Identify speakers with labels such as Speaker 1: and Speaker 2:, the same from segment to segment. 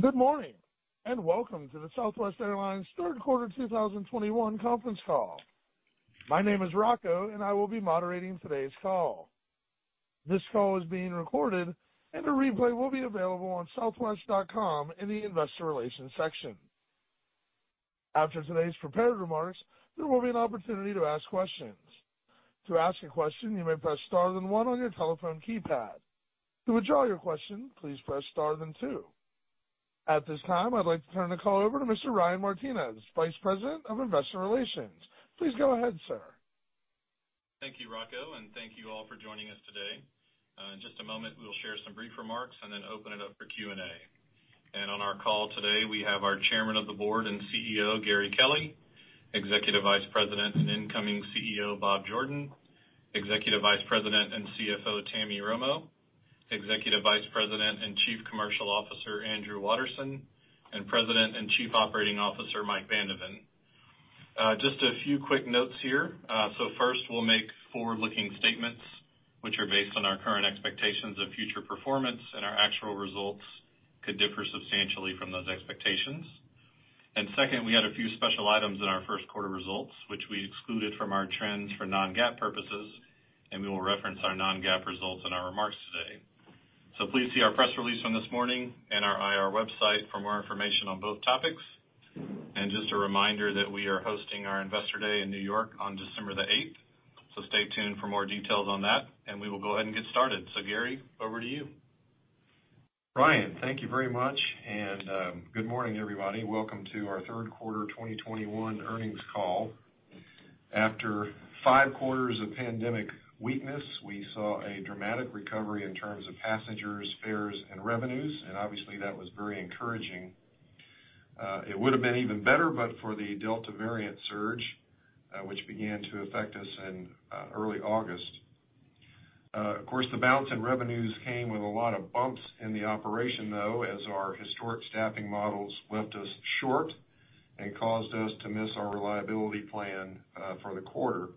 Speaker 1: Good morning, and welcome to the Southwest Airlines third quarter 2021 conference call. My name is Rocco, and I will be moderating today's call. This call is being recorded, and a replay will be available on southwest.com in the Investor Relations section. After today's prepared remarks, there will be an opportunity to ask questions. To ask a question, you may press star then one on your telephone keypad. To withdraw your question, please press star then two. At this time, I'd like to turn the call over to Mr. Ryan Martinez, Vice President of Investor Relations. Please go ahead, sir.
Speaker 2: Thank you, Rocco, and thank you all for joining us today. In just a moment, we'll share some brief remarks and then open it up for Q&A. On our call today, we have our Chairman of the Board and CEO, Gary Kelly, Executive Vice President and incoming CEO, Bob Jordan, Executive Vice President and CFO, Tammy Romo, Executive Vice President and Chief Commercial Officer, Andrew Watterson, and President and Chief Operating Officer, Mike Van de Ven. Just a few quick notes here. First, we'll make forward-looking statements which are based on our current expectations of future performance, and our actual results could differ substantially from those expectations. Second, we had a few special items in our first quarter results, which we excluded from our trends for non-GAAP purposes, and we will reference our non-GAAP results in our remarks today. Please see our press release from this morning and our IR website for more information on both topics. Just a reminder that we are hosting our Investor Day in New York on December the 8th. Stay tuned for more details on that. We will go ahead and get started. Gary, over to you.
Speaker 3: Ryan, thank you very much, and good morning, everybody. Welcome to our third quarter 2021 earnings call. After five quarters of pandemic weakness, we saw a dramatic recovery in terms of passengers, fares, and revenues, and obviously that was very encouraging. It would have been even better but for the Delta variant surge, which began to affect us in early August. Of course, the bounce in revenues came with a lot of bumps in the operation, though, as our historic staffing models left us short and caused us to miss our reliability plan for the quarter.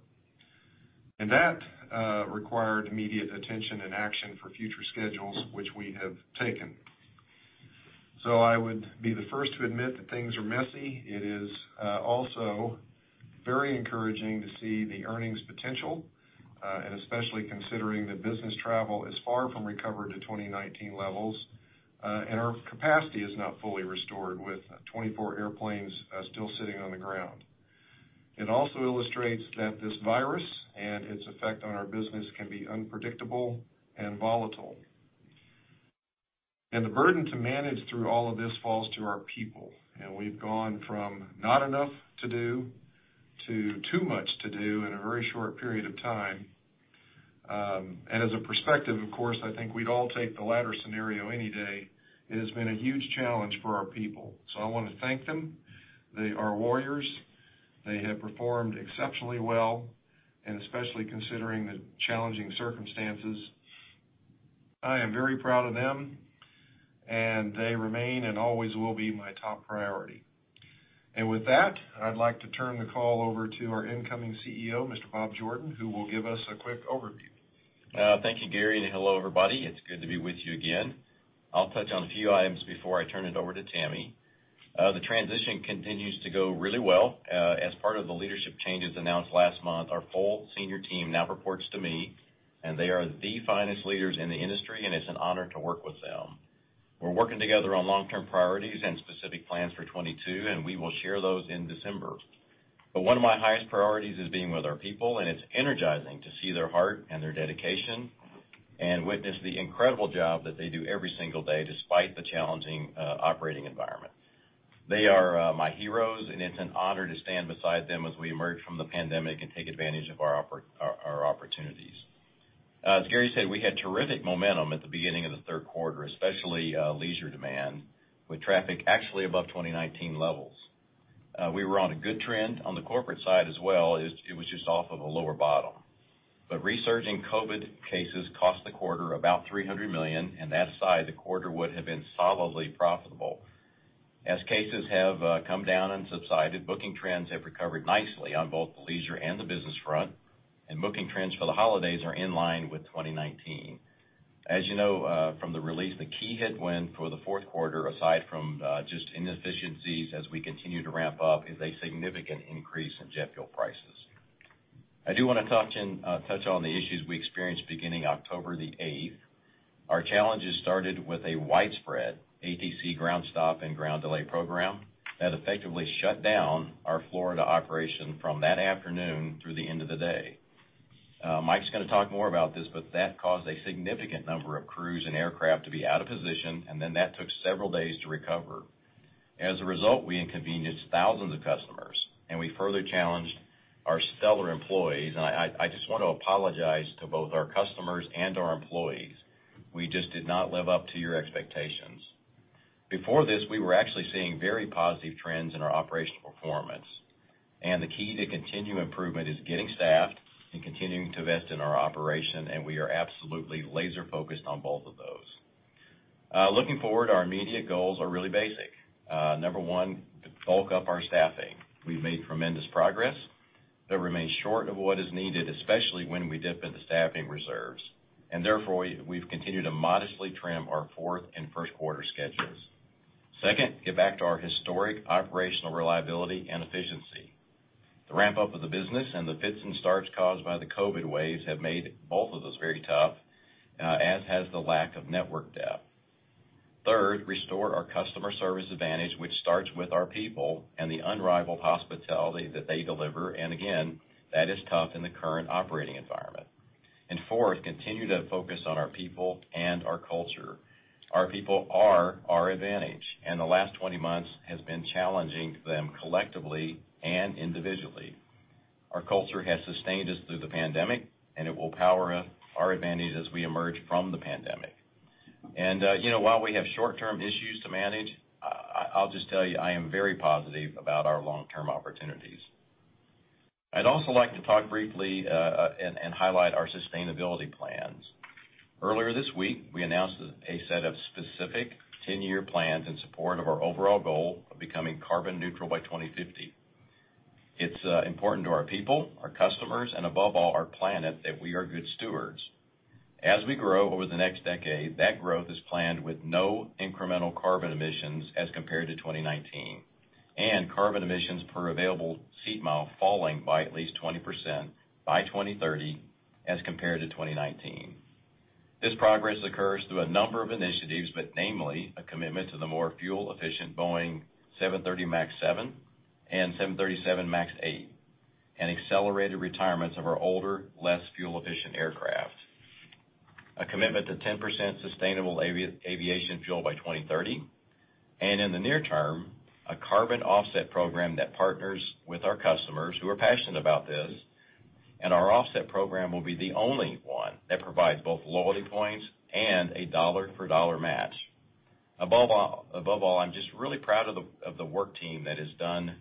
Speaker 3: That required immediate attention and action for future schedules, which we have taken. I would be the first to admit that things are messy. It is also very encouraging to see the earnings potential, and especially considering that business travel is far from recovered to 2019 levels, and our capacity is not fully restored with 24 airplanes still sitting on the ground. It also illustrates that this virus and its effect on our business can be unpredictable and volatile. The burden to manage through all of this falls to our people. We've gone from not enough to do to too much to do in a very short period of time. As a perspective, of course, I think we'd all take the latter scenario any day. It has been a huge challenge for our people, so I want to thank them. They are warriors. They have performed exceptionally well, and especially considering the challenging circumstances. I am very proud of them, and they remain and always will be my top priority. With that, I'd like to turn the call over to our incoming CEO, Mr. Bob Jordan, who will give us a quick overview.
Speaker 4: Thank you, Gary. Hello everybody. It's good to be with you again. I'll touch on a few items before I turn it over to Tammy. The transition continues to go really well. As part of the leadership changes announced last month, our full senior team now reports to me, and they are the finest leaders in the industry, and it's an honor to work with them. We're working together on long-term priorities and specific plans for 2022, and we will share those in December. One of my highest priorities is being with our people, and it's energizing to see their heart and their dedication and witness the incredible job that they do every single day, despite the challenging operating environment. They are my heroes, and it's an honor to stand beside them as we emerge from the pandemic and take advantage of our opportunities. As Gary said, we had terrific momentum at the beginning of the third quarter, especially leisure demand, with traffic actually above 2019 levels. We were on a good trend on the corporate side as well, it was just off of a lower bottom. Resurging COVID cases cost the quarter about $300 million, and that aside, the quarter would have been solidly profitable. As cases have come down and subsided, booking trends have recovered nicely on both the leisure and the business front, and booking trends for the holidays are in line with 2019. As you know from the release, the key headwind for the fourth quarter, aside from just inefficiencies as we continue to ramp up, is a significant increase in jet fuel prices. I do want to touch on the issues we experienced beginning October the 8th. Our challenges started with a widespread ATC ground stop and ground delay program that effectively shut down our Florida operation from that afternoon through the end of the day. Mike's going to talk more about this. That caused a significant number of crews and aircraft to be out of position, and then that took several days to recover. As a result, we inconvenienced thousands of customers. We further challenged our stellar employees, and I just want to apologize to both our customers and our employees. We just did not live up to your expectations. Before this, we were actually seeing very positive trends in our operational performance. The key to continued improvement is getting staffed and continuing to invest in our operation. We are absolutely laser-focused on both of those. Looking forward, our immediate goals are really basic. Number one, to bulk up our staffing. We've made tremendous progress. That remains short of what is needed, especially when we dip into staffing reserves. Therefore, we've continued to modestly trim our fourth and first quarter schedules. Second, get back to our historic operational reliability and efficiency. The ramp-up of the business and the pits and starts caused by the COVID-19 waves have made both of those very tough, as has the lack of network depth. Third, restore our customer service advantage, which starts with our people and the unrivaled hospitality that they deliver, and again, that is tough in the current operating environment. Fourth, continue to focus on our people and our culture. Our people are our advantage, and the last 20 months has been challenging them collectively and individually. Our culture has sustained us through the pandemic, and it will power up our advantage as we emerge from the pandemic. While we have short-term issues to manage, I'll just tell you, I am very positive about our long-term opportunities. I'd also like to talk briefly and highlight our sustainability plans. Earlier this week, we announced a set of specific 10-year plans in support of our overall goal of becoming carbon neutral by 2050. It's important to our people, our customers, and above all, our planet, that we are good stewards. As we grow over the next decade, that growth is planned with no incremental carbon emissions as compared to 2019, and carbon emissions per available seat mile falling by at least 20% by 2030 as compared to 2019. This progress occurs through a number of initiatives, but namely, a commitment to the more fuel-efficient Boeing 737 MAX 7 and 737 MAX 8, and accelerated retirements of our older, less fuel-efficient aircraft. A commitment to 10% sustainable aviation fuel by 2030, and in the near term, a carbon offset program that partners with our customers who are passionate about this, and our offset program will be the only one that provides both loyalty points and a dollar-for-dollar match. Above all, I'm just really proud of the work team that has done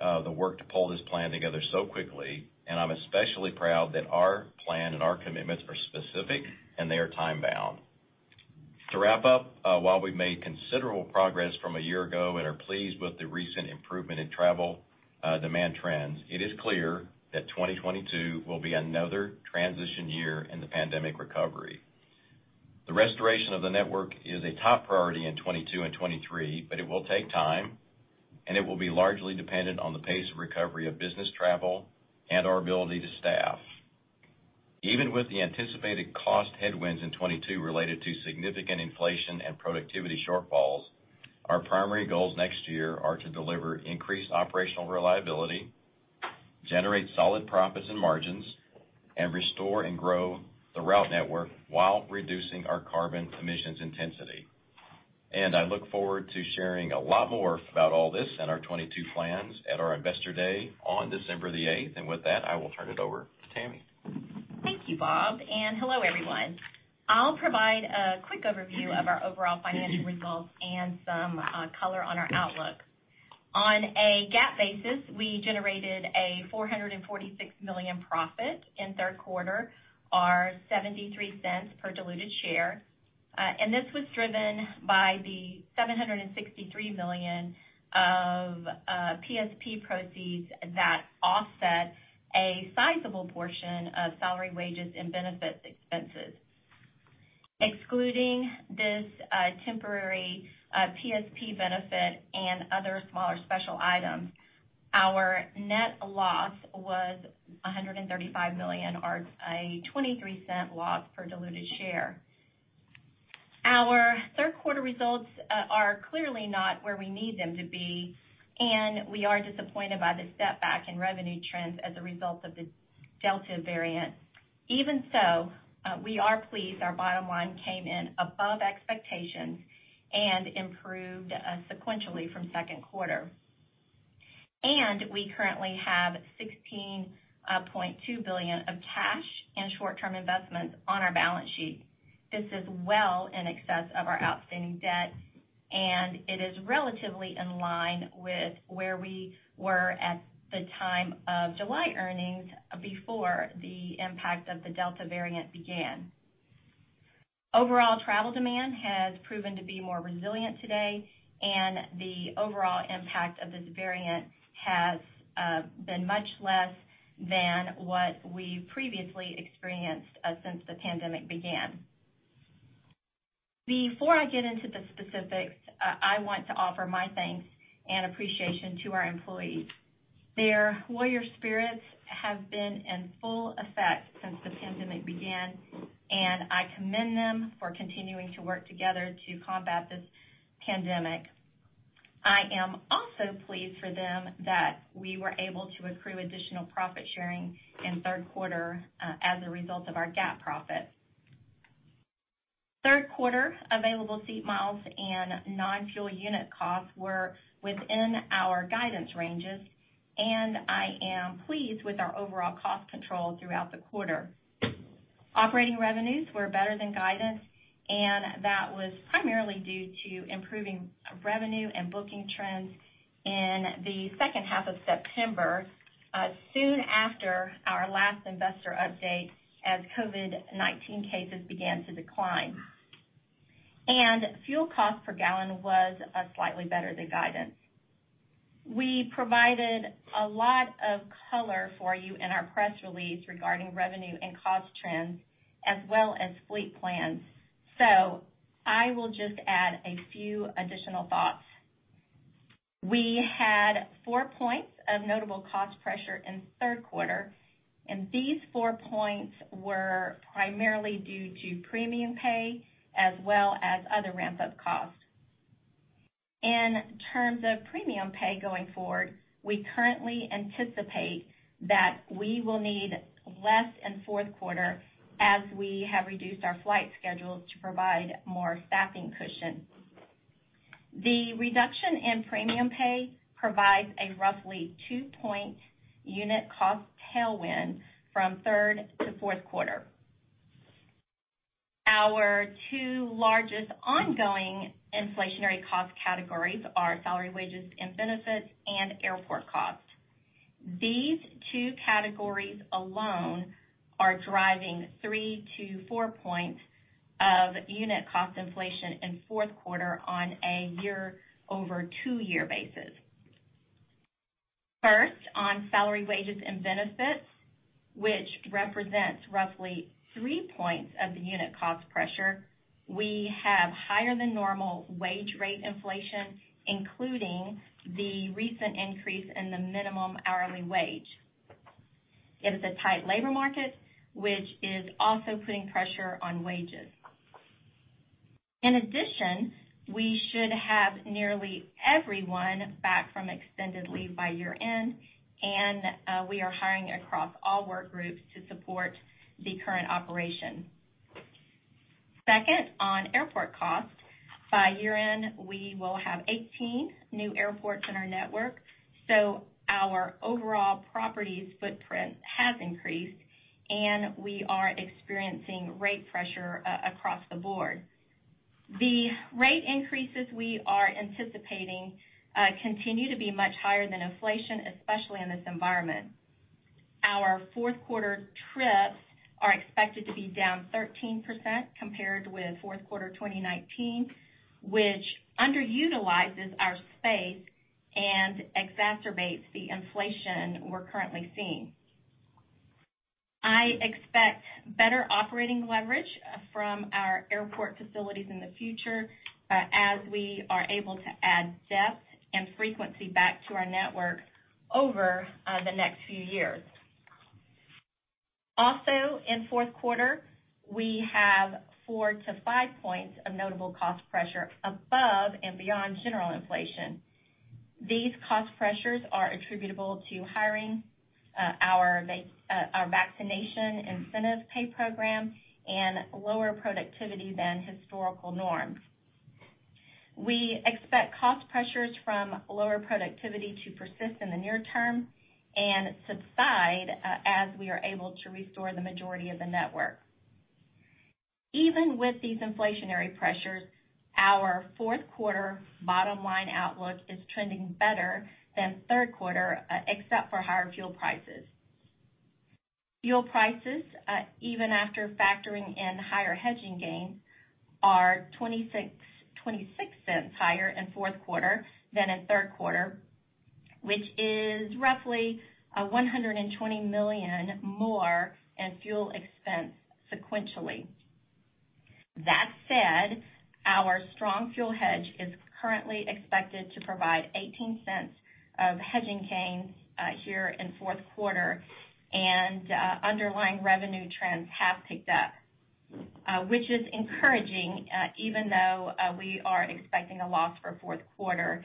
Speaker 4: the work to pull this plan together so quickly, and I'm especially proud that our plan and our commitments are specific and they are time-bound. To wrap up, while we've made considerable progress from a year ago and are pleased with the recent improvement in travel demand trends, it is clear that 2022 will be another transition year in the pandemic recovery. The restoration of the network is a top priority in 2022 and 2023, but it will take time, and it will be largely dependent on the pace of recovery of business travel and our ability to staff. Even with the anticipated cost headwinds in 2022 related to significant inflation and productivity shortfalls, our primary goals next year are to deliver increased operational reliability, generate solid profits and margins, and restore and grow the route network while reducing our carbon emissions intensity. I look forward to sharing a lot more about all this and our 2022 plans at our Investor Day on December the 8th. With that, I will turn it over to Tammy.
Speaker 5: Thank you, Bob, and hello, everyone. I'll provide a quick overview of our overall financial results and some color on our outlook. On a GAAP basis, we generated a $446 million profit in third quarter, or $0.73 per diluted share. This was driven by the $763 million of PSP proceeds that offset a sizable portion of salary, wages, and benefits expenses. Excluding this temporary PSP benefit and other smaller special items, our net loss was $135 million, or a $0.23 loss per diluted share. Our third quarter results are clearly not where we need them to be, and we are disappointed by the setback in revenue trends as a result of the Delta variant. Even so, we are pleased our bottom line came in above expectations and improved sequentially from second quarter. We currently have $16.2 billion of cash and short-term investments on our balance sheet. This is well in excess of our outstanding debt, and it is relatively in line with where we were at the time of July earnings before the impact of the Delta variant began. Overall travel demand has proven to be more resilient today, and the overall impact of this variant has been much less than what we previously experienced since the pandemic began. Before I get into the specifics, I want to offer my thanks and appreciation to our employees. Their warrior spirits have been in full effect since the pandemic began, and I commend them for continuing to work together to combat this pandemic. I am also pleased for them that we were able to accrue additional profit sharing in third quarter as a result of our GAAP profit. Third quarter available seat miles and non-fuel unit costs were within our guidance ranges. I am pleased with our overall cost control throughout the quarter. Operating revenues were better than guidance. That was primarily due to improving revenue and booking trends in the second half of September, soon after our last investor update as COVID-19 cases began to decline. Fuel cost per gallon was slightly better than guidance. We provided a lot of color for you in our press release regarding revenue and cost trends as well as fleet plans. I will just add a few additional thoughts. We had 4 points of notable cost pressure in Q3. These 4 points were primarily due to premium pay as well as other ramp-up costs. In terms of premium pay going forward, we currently anticipate that we will need less in Q4 as we have reduced our flight schedules to provide more staffing cushion. The reduction in premium pay provides a roughly two-point unit cost tailwind from Q3 to Q4. Our two largest ongoing inflationary cost categories are salary, wages, and benefits, and airport costs. These two categories alone are driving 3-4 points of unit cost inflation in Q4 on a year-over-two-year basis. On salary, wages, and benefits, which represents roughly three points of the unit cost pressure, we have higher than normal wage rate inflation, including the recent increase in the minimum hourly wage. It is a tight labor market, which is also putting pressure on wages. In addition, we should have nearly everyone back from extended leave by year-end, and we are hiring across all work groups to support the current operation. Second, on airport costs, by year-end, we will have 18 new airports in our network, so our overall properties footprint has increased, and we are experiencing rate pressure across the board. The rate increases we are anticipating continue to be much higher than inflation, especially in this environment. Our Q4 trips are expected to be down 13% compared with Q4 2019, which underutilizes our space and exacerbates the inflation we're currently seeing. I expect better operating leverage from our airport facilities in the future as we are able to add depth and frequency back to our network over the next few years. Also in Q4, we have four to five points of notable cost pressure above and beyond general inflation. These cost pressures are attributable to hiring, our vaccination incentive pay program, and lower productivity than historical norms. We expect cost pressures from lower productivity to persist in the near term and subside as we are able to restore the majority of the network. Even with these inflationary pressures, our Q4 bottom line outlook is trending better than Q3 except for higher fuel prices. Fuel prices, even after factoring in higher hedging gains, are $0.26 higher in Q4 than in Q3, which is roughly $120 million more in fuel expense sequentially. That said, our strong fuel hedge is currently expected to provide $0.18 of hedging gains here in Q4, and underlying revenue trends have picked up, which is encouraging, even though we are expecting a loss for Q4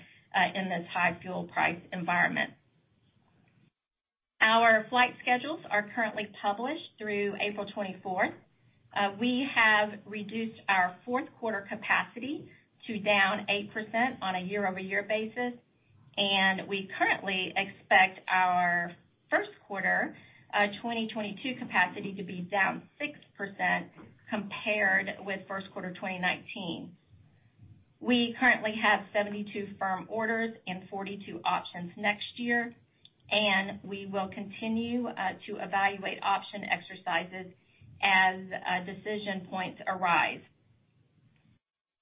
Speaker 5: in this high fuel price environment. Our flight schedules are currently published through April 24th. We have reduced our Q4 capacity to down 8% on a year-over-year basis, and we currently expect our Q1 2022 capacity to be down 6% compared with Q1 2019. We currently have 72 firm orders and 42 options next year. We will continue to evaluate option exercises as decision points arise.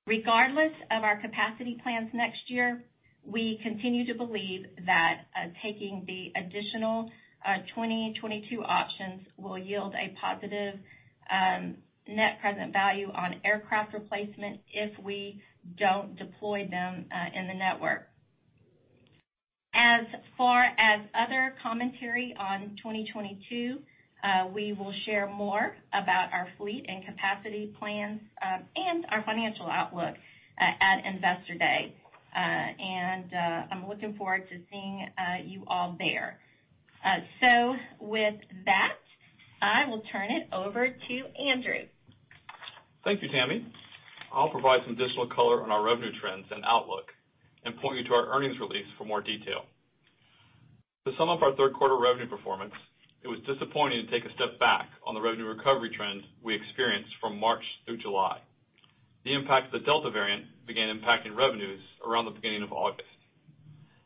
Speaker 5: Regardless of our capacity plans next year, we continue to believe that taking the additional 2022 options will yield a positive net present value on aircraft replacement if we don't deploy them in the network. As far as other commentary on 2022, we will share more about our fleet and capacity plans and our financial outlook at Investor Day. I'm looking forward to seeing you all there. With that, I will turn it over to Andrew.
Speaker 6: Thank you, Tammy. I'll provide some additional color on our revenue trends and outlook and point you to our earnings release for more detail. To sum up our Q3 revenue performance, it was disappointing to take a step back on the revenue recovery trends we experienced from March through July. The impact of the Delta variant began impacting revenues around the beginning of August.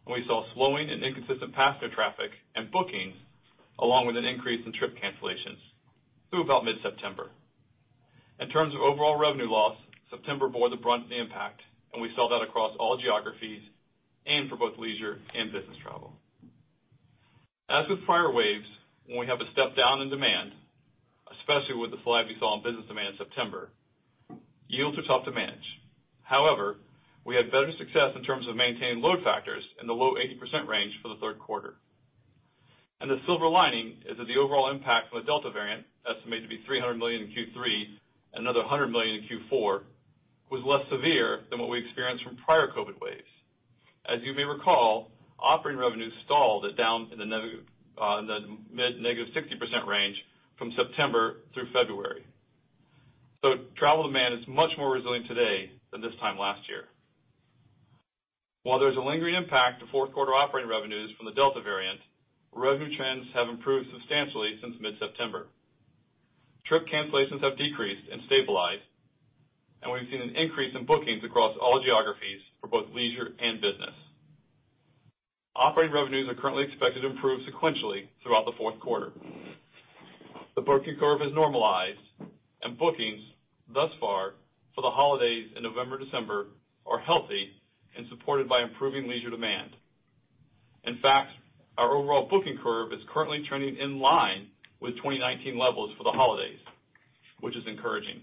Speaker 6: We saw slowing and inconsistent passenger traffic and bookings, along with an increase in trip cancellations through about mid-September. In terms of overall revenue loss, September bore the brunt of the impact, and we saw that across all geographies and for both leisure and business travel. As with prior waves, when we have a step down in demand, especially with the slide we saw in business demand in September, yields are tough to manage. We had better success in terms of maintaining load factors in the low 80% range for the third quarter. The silver lining is that the overall impact from the Delta variant, estimated to be $300 million in Q3, another $100 million in Q4, was less severe than what we experienced from prior COVID-19 waves. As you may recall, operating revenue stalled at down in the mid negative 60% range from September through February. Travel demand is much more resilient today than this time last year. While there's a lingering impact to fourth quarter operating revenues from the Delta variant, revenue trends have improved substantially since mid-September. Trip cancellations have decreased and stabilized, and we've seen an increase in bookings across all geographies for both leisure and business. Operating revenues are currently expected to improve sequentially throughout the fourth quarter. The booking curve has normalized, bookings thus far for the holidays in November, December are healthy and supported by improving leisure demand. In fact, our overall booking curve is currently trending in line with 2019 levels for the holidays, which is encouraging.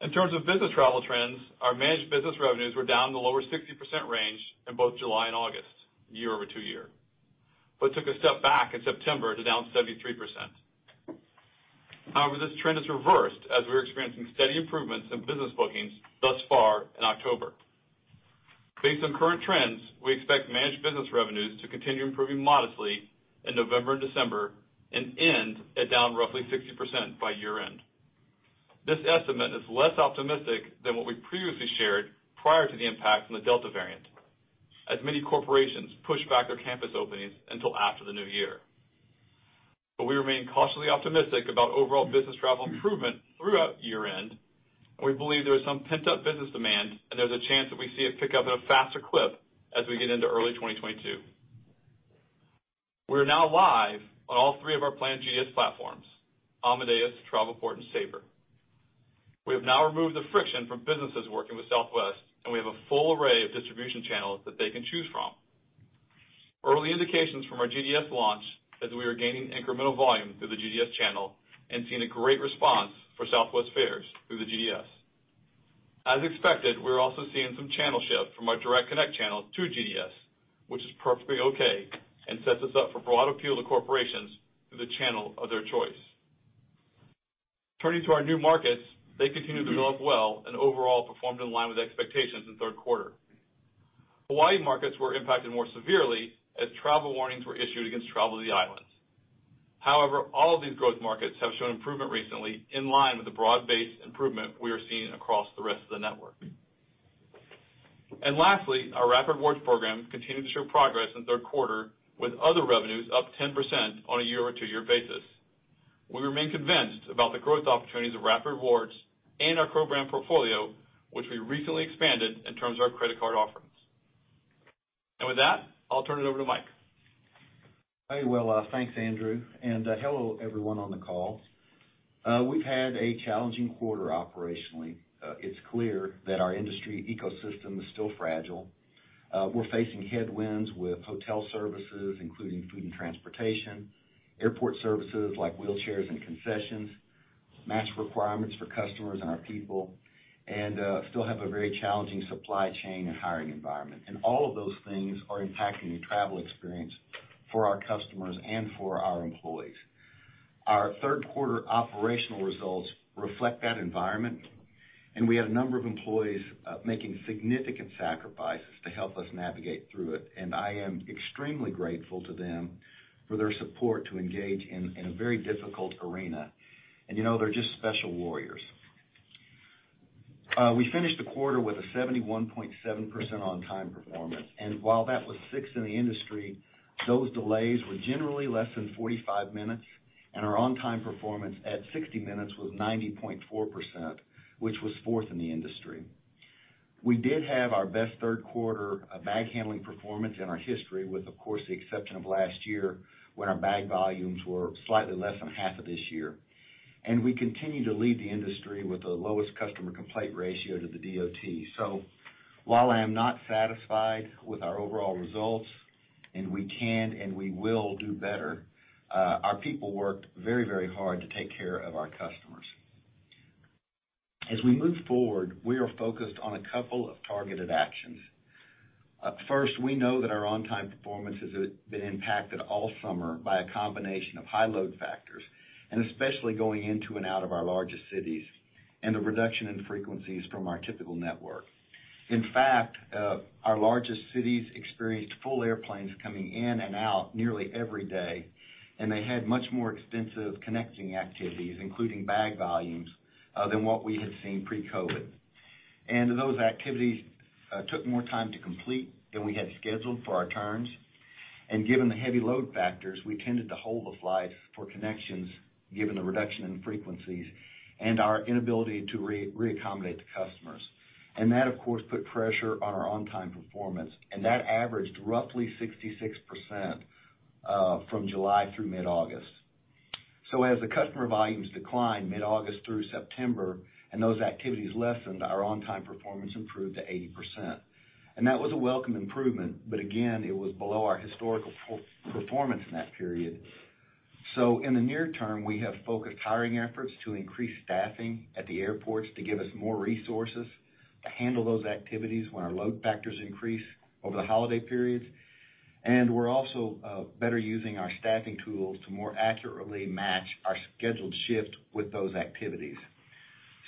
Speaker 6: In terms of business travel trends, our managed business revenues were down in the lower 60% range in both July and August, year-over-two-year. Took a step back in September to down 73%. This trend has reversed as we're experiencing steady improvements in business bookings thus far in October. Based on current trends, we expect managed business revenues to continue improving modestly in November and December and end at down roughly 60% by year-end. This estimate is less optimistic than what we previously shared prior to the impact from the Delta variant, as many corporations pushed back their campus openings until after the new year. We remain cautiously optimistic about overall business travel improvement throughout year-end, and we believe there is some pent-up business demand, and there's a chance that we see it pick up at a faster clip as we get into early 2022. We are now live on all three of our planned GDS platforms, Amadeus, Travelport, and Sabre. We have now removed the friction from businesses working with Southwest, and we have a full array of distribution channels that they can choose from. Early indications from our GDS launch, as we are gaining incremental volume through the GDS channel and seeing a great response for Southwest fares through the GDS. As expected, we're also seeing some channel shift from our direct connect channels to GDS, which is perfectly okay and sets us up for broad appeal to corporations through the channel of their choice. Turning to our new markets, they continue to develop well and overall performed in line with expectations in the third quarter. Hawaii markets were impacted more severely as travel warnings were issued against travel to the islands. However, all of these growth markets have shown improvement recently in line with the broad-based improvement we are seeing across the rest of the network. Lastly, our Rapid Rewards program continued to show progress in the third quarter with other revenues up 10% on a year-over-two-year basis. We remain convinced about the growth opportunities of Rapid Rewards and our program portfolio, which we recently expanded in terms of our credit card offerings. With that, I'll turn it over to Mike.
Speaker 7: Hey. Well, thanks, Andrew, and hello, everyone on the call. We've had a challenging quarter operationally. It's clear that our industry ecosystem is still fragile. We're facing headwinds with hotel services, including food and transportation, airport services like wheelchairs and concessions, mask requirements for customers and our people, and still have a very challenging supply chain and hiring environment. All of those things are impacting the travel experience for our customers and for our employees. Our third quarter operational results reflect that environment, and we have a number of employees making significant sacrifices to help us navigate through it, and I am extremely grateful to them for their support to engage in a very difficult arena. They're just special warriors. We finished the quarter with a 71.7% on-time performance, and while that was 6th in the industry, those delays were generally less than 45 minutes, and our on-time performance at 60 minutes was 90.4%, which was 4th in the industry. We continue to lead the industry with the lowest customer complaint ratio to the DOT. While I am not satisfied with our overall results, and we can and we will do better, our people worked very hard to take care of our customers. As we move forward, we are focused on a couple of targeted actions. First, we know that our on-time performance has been impacted all summer by a combination of high load factors, and especially going into and out of our largest cities, and the reduction in frequencies from our typical network. Our largest cities experienced full airplanes coming in and out nearly every day, and they had much more extensive connecting activities, including bag volumes, than what we had seen pre-COVID-19. Those activities took more time to complete than we had scheduled for our turns. Given the heavy load factors, we tended to hold the flights for connections, given the reduction in frequencies and our inability to re-accommodate the customers. That, of course, put pressure on our on-time performance. That averaged roughly 66% from July through mid-August. As the customer volumes declined mid-August through September, and those activities lessened, our on-time performance improved to 80%. That was a welcome improvement, but again, it was below our historical performance in that period. In the near term, we have focused hiring efforts to increase staffing at the airports to give us more resources to handle those activities when our load factors increase over the holiday periods. We're also better using our staffing tools to more accurately match our scheduled shift with those activities.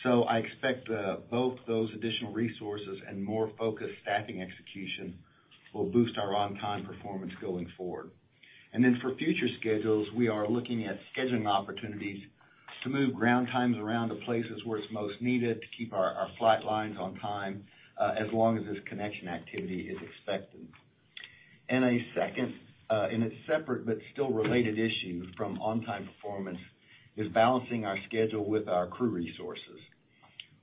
Speaker 7: I expect both those additional resources and more focused staffing execution will boost our on-time performance going forward. For future schedules, we are looking at scheduling opportunities to move ground times around to places where it's most needed to keep our flight lines on time, as long as this connection activity is expected. A second, separate but still related issue from on-time performance, is balancing our schedule with our crew resources.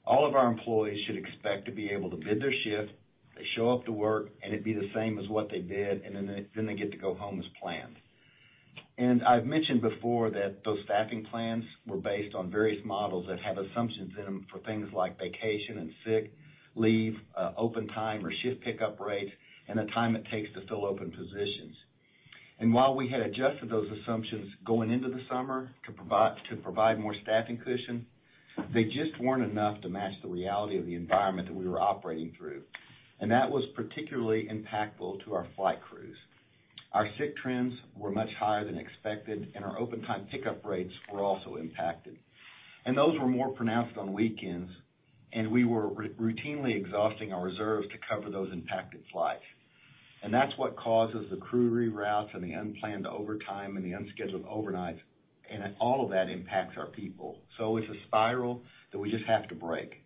Speaker 7: All of our employees should expect to be able to bid their shift, they show up to work, and it be the same as what they bid, and then they get to go home as planned. I've mentioned before that those staffing plans were based on various models that have assumptions in them for things like vacation and sick leave, open time or shift pickup rates, and the time it takes to fill open positions. While we had adjusted those assumptions going into the summer to provide more staffing cushion, they just weren't enough to match the reality of the environment that we were operating through. That was particularly impactful to our flight crews. Our sick trends were much higher than expected, and our open time pickup rates were also impacted. Those were more pronounced on weekends, and we were routinely exhausting our reserves to cover those impacted flights. That's what causes the crew reroutes and the unplanned overtime and the unscheduled overnights, and all of that impacts our people. It's a spiral that we just have to break.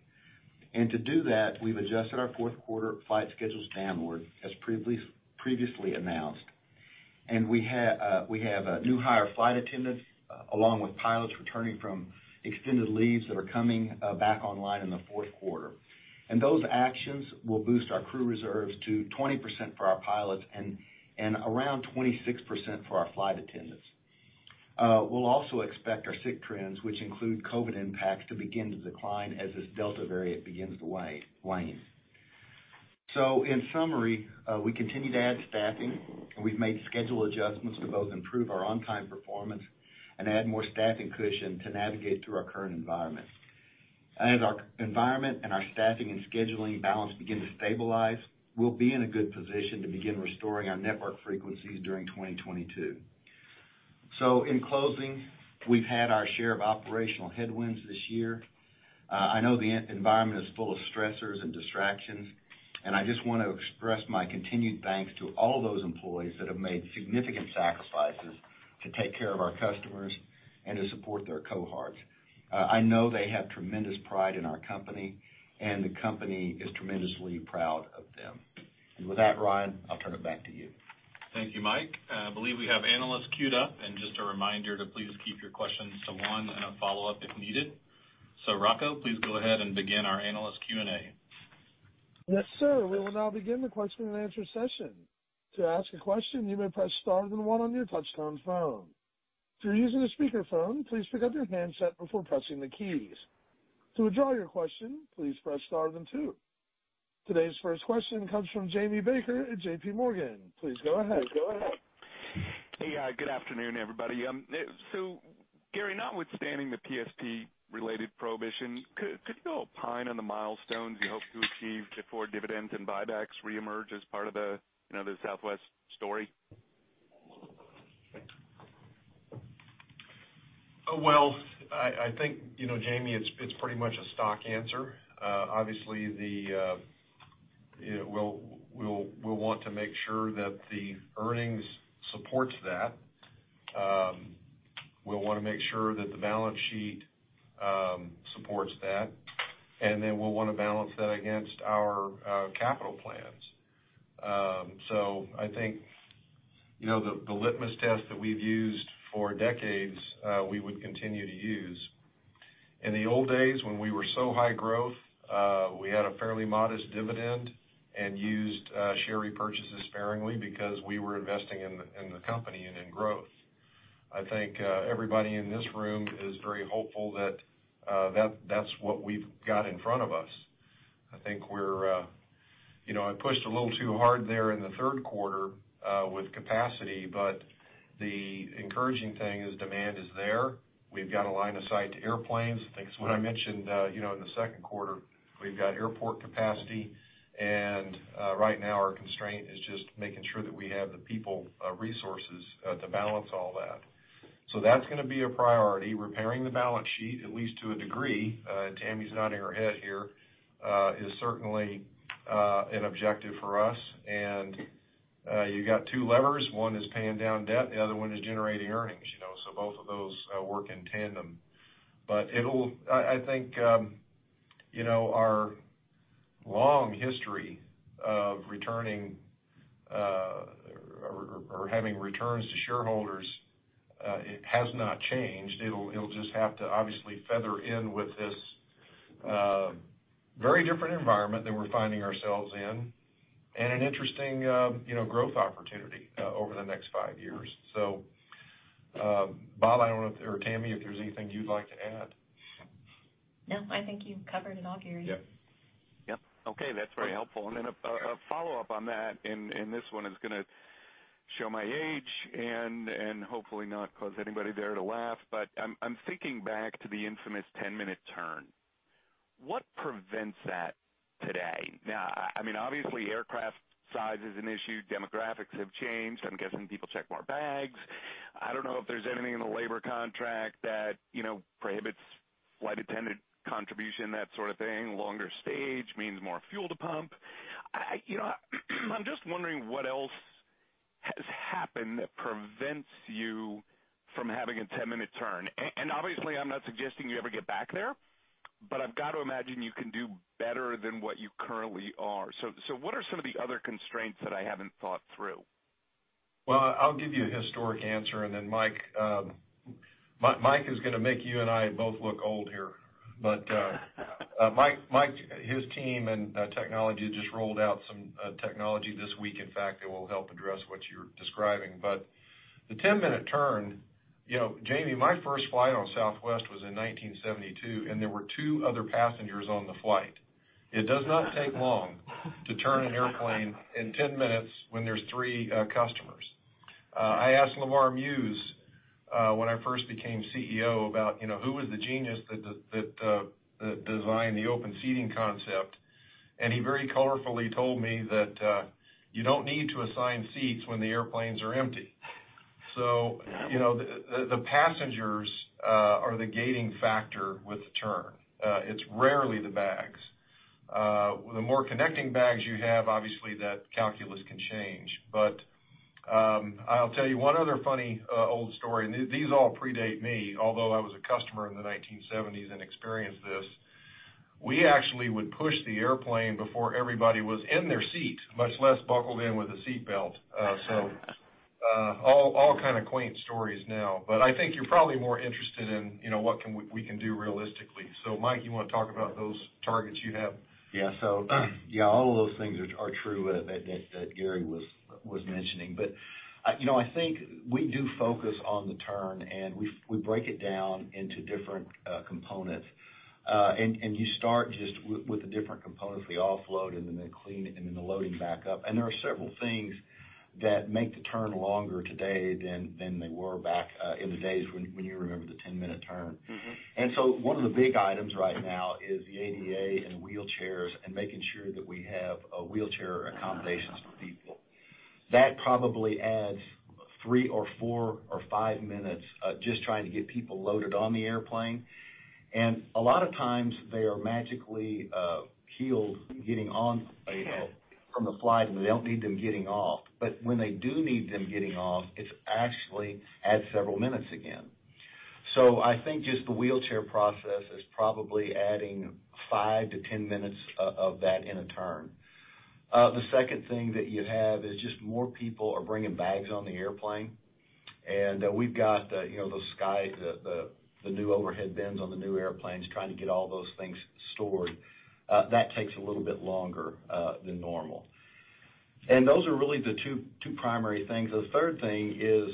Speaker 7: To do that, we've adjusted our fourth quarter flight schedules downward, as previously announced. We have new hire flight attendants, along with pilots returning from extended leaves that are coming back online in the fourth quarter. Those actions will boost our crew reserves to 20% for our pilots and around 26% for our flight attendants. We'll also expect our sick trends, which include COVID impacts, to begin to decline as this Delta variant begins to wane. In summary, we continue to add staffing, and we've made schedule adjustments to both improve our on-time performance and add more staffing cushion to navigate through our current environment. As our environment and our staffing and scheduling balance begin to stabilize, we'll be in a good position to begin restoring our network frequencies during 2022. In closing, we've had our share of operational headwinds this year. I know the environment is full of stressors and distractions, and I just want to express my continued thanks to all those employees that have made significant sacrifices to take care of our customers and to support their cohorts. I know they have tremendous pride in our company, and the company is tremendously proud of them. With that, Ryan, I'll turn it back to you.
Speaker 2: Thank you, Mike. I believe we have analysts queued up. Just a reminder to please keep your questions to one and a follow-up if needed. Rocco, please go ahead and begin our analyst Q&A.
Speaker 1: Yes, sir. We will now begin the question-and-answer session. Today's first question comes from Jamie Baker at JPMorgan. Please go ahead.
Speaker 8: Hey. Good afternoon, everybody. Gary, notwithstanding the PSP related prohibition, could you opine on the milestones you hope to achieve before dividends and buybacks reemerge as part of the Southwest story?
Speaker 3: Well, I think, Jamie, it's pretty much a stock answer. Obviously, we'll want to make sure that the earnings supports that. We'll want to make sure that the balance sheet supports that. We'll want to balance that against our capital plans. I think the litmus test that we've used for decades, we would continue to use. In the old days when we were so high growth, we had a fairly modest dividend and used share repurchases sparingly because we were investing in the company and in growth. I think everybody in this room is very hopeful that that's what we've got in front of us. I think I pushed a little too hard there in the third quarter with capacity, the encouraging thing is demand is there. We've got a line of sight to airplanes. I think it's what I mentioned in the second quarter, we've got airport capacity, right now our constraint is just making sure that we have the people resources to balance all that. That's going to be a priority. Repairing the balance sheet, at least to a degree, Tammy's nodding her head here, is certainly an objective for us. You got two levers. One is paying down debt, the other one is generating earnings. Both of those work in tandem. I think our long history of returning, or having returns to shareholders, it has not changed. It'll just have to obviously feather in with this very different environment that we're finding ourselves in, and an interesting growth opportunity over the next five years. Bob, I don't know if or Tammy, if there's anything you'd like to add.
Speaker 4: No. I think you've covered it all, Gary.
Speaker 3: Yep.
Speaker 8: Yep. Okay. That's very helpful. A follow-up on that, this one is going to show my age, hopefully not cause anybody there to laugh, I'm thinking back to the infamous 10-minute turn. What prevents that today? Obviously, aircraft size is an issue. Demographics have changed. I'm guessing people check more bags. I don't know if there's anything in the labor contract that prohibits flight attendant contribution, that sort of thing. Longer stage means more fuel to pump. I'm just wondering what else has happened that prevents you from having a 10-minute turn. Obviously, I'm not suggesting you ever get back there, I've got to imagine you can do better than what you currently are. What are some of the other constraints that I haven't thought through?
Speaker 3: Well, I'll give you a historic answer, then Mike is going to make you and I both look old here. Mike, his team and technology just rolled out some technology this week, in fact, that will help address what you're describing. The 10-minute turn, Jamie, my first flight on Southwest was in 1972, and there were two other passengers on the flight. It does not take long to turn an airplane in 10 minutes when there's three customers. I asked Lamar Muse, when I first became CEO, about who was the genius that designed the open seating concept, he very colorfully told me that you don't need to assign seats when the airplanes are empty. The passengers are the gating factor with the turn. It's rarely the bags. The more connecting bags you have, obviously that calculus can change. I'll tell you one other funny, old story. These all predate me, although I was a customer in the 1970s and experienced this. We actually would push the airplane before everybody was in their seat, much less buckled in with a seat belt. All kind of quaint stories now, but I think you're probably more interested in what we can do realistically. Mike, you want to talk about those targets you have?
Speaker 7: All of those things are true that Gary was mentioning. I think we do focus on the turn, and we break it down into different components. You start just with the different components, the offload, and then the clean and then the loading back up. There are several things that make the turn longer today than they were back in the days when you remember the 10-minute turn. One of the big items right now is the ADA and wheelchairs and making sure that we have wheelchair accommodations for people. That probably adds three or four or five minutes, just trying to get people loaded on the airplane. A lot of times, they are magically healed getting on from the flight, and we don't need them getting off. When they do need them getting off, it actually adds several minutes again. I think just the wheelchair process is probably adding 5 to 10 minutes of that in a turn. The second thing that you have is just more people are bringing bags on the airplane, and we've got the new overhead bins on the new airplanes, trying to get all those things stored. That takes a little bit longer than normal. Those are really the two primary things. The third thing is,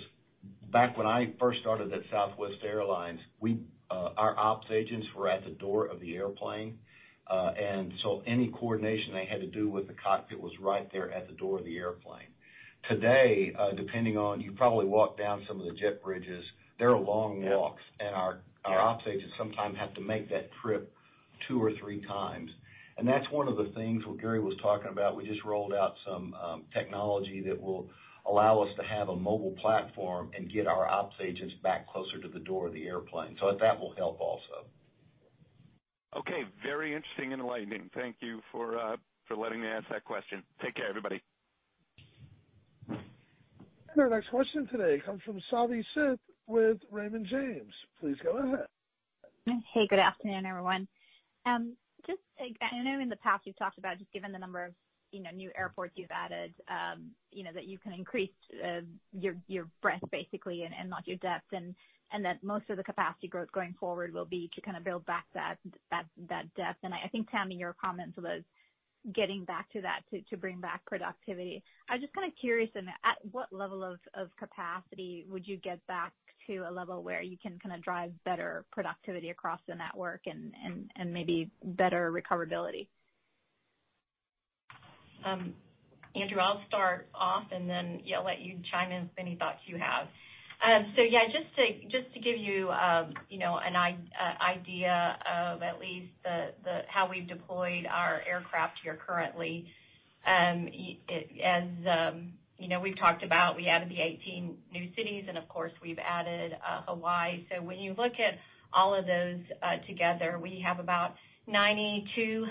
Speaker 7: back when I first started at Southwest Airlines, our ops agents were at the door of the airplane. Any coordination they had to do with the cockpit was right there at the door of the airplane. Today, you probably walk down some of the jet bridges, they're long walks.
Speaker 8: Yep.
Speaker 7: Our ops agents sometimes have to make that trip two or three times. That's one of the things, what Gary was talking about. We just rolled out some technology that will allow us to have a mobile platform and get our ops agents back closer to the door of the airplane. That will help also.
Speaker 8: Okay. Very interesting and enlightening. Thank you for letting me ask that question. Take care, everybody.
Speaker 1: Our next question today comes from Savanthi Syth with Raymond James. Please go ahead.
Speaker 9: Hey, good afternoon, everyone. I know in the past you've talked about just given the number of new airports you've added, that you can increase your breadth basically, and not your depth, and that most of the capacity growth going forward will be to kind of build back that depth. I think, Tammy, your comments was getting back to that, to bring back productivity. I'm just kind of curious, at what level of capacity would you get back to a level where you can drive better productivity across the network and maybe better recoverability?
Speaker 5: Andrew, I'll start off, and then let you chime in with any thoughts you have. Yeah, just to give you an idea of at least how we've deployed our aircraft here currently. We've talked about, we added the 18 new cities, and of course, we've added Hawaii. When you look at all of those together, we have about 92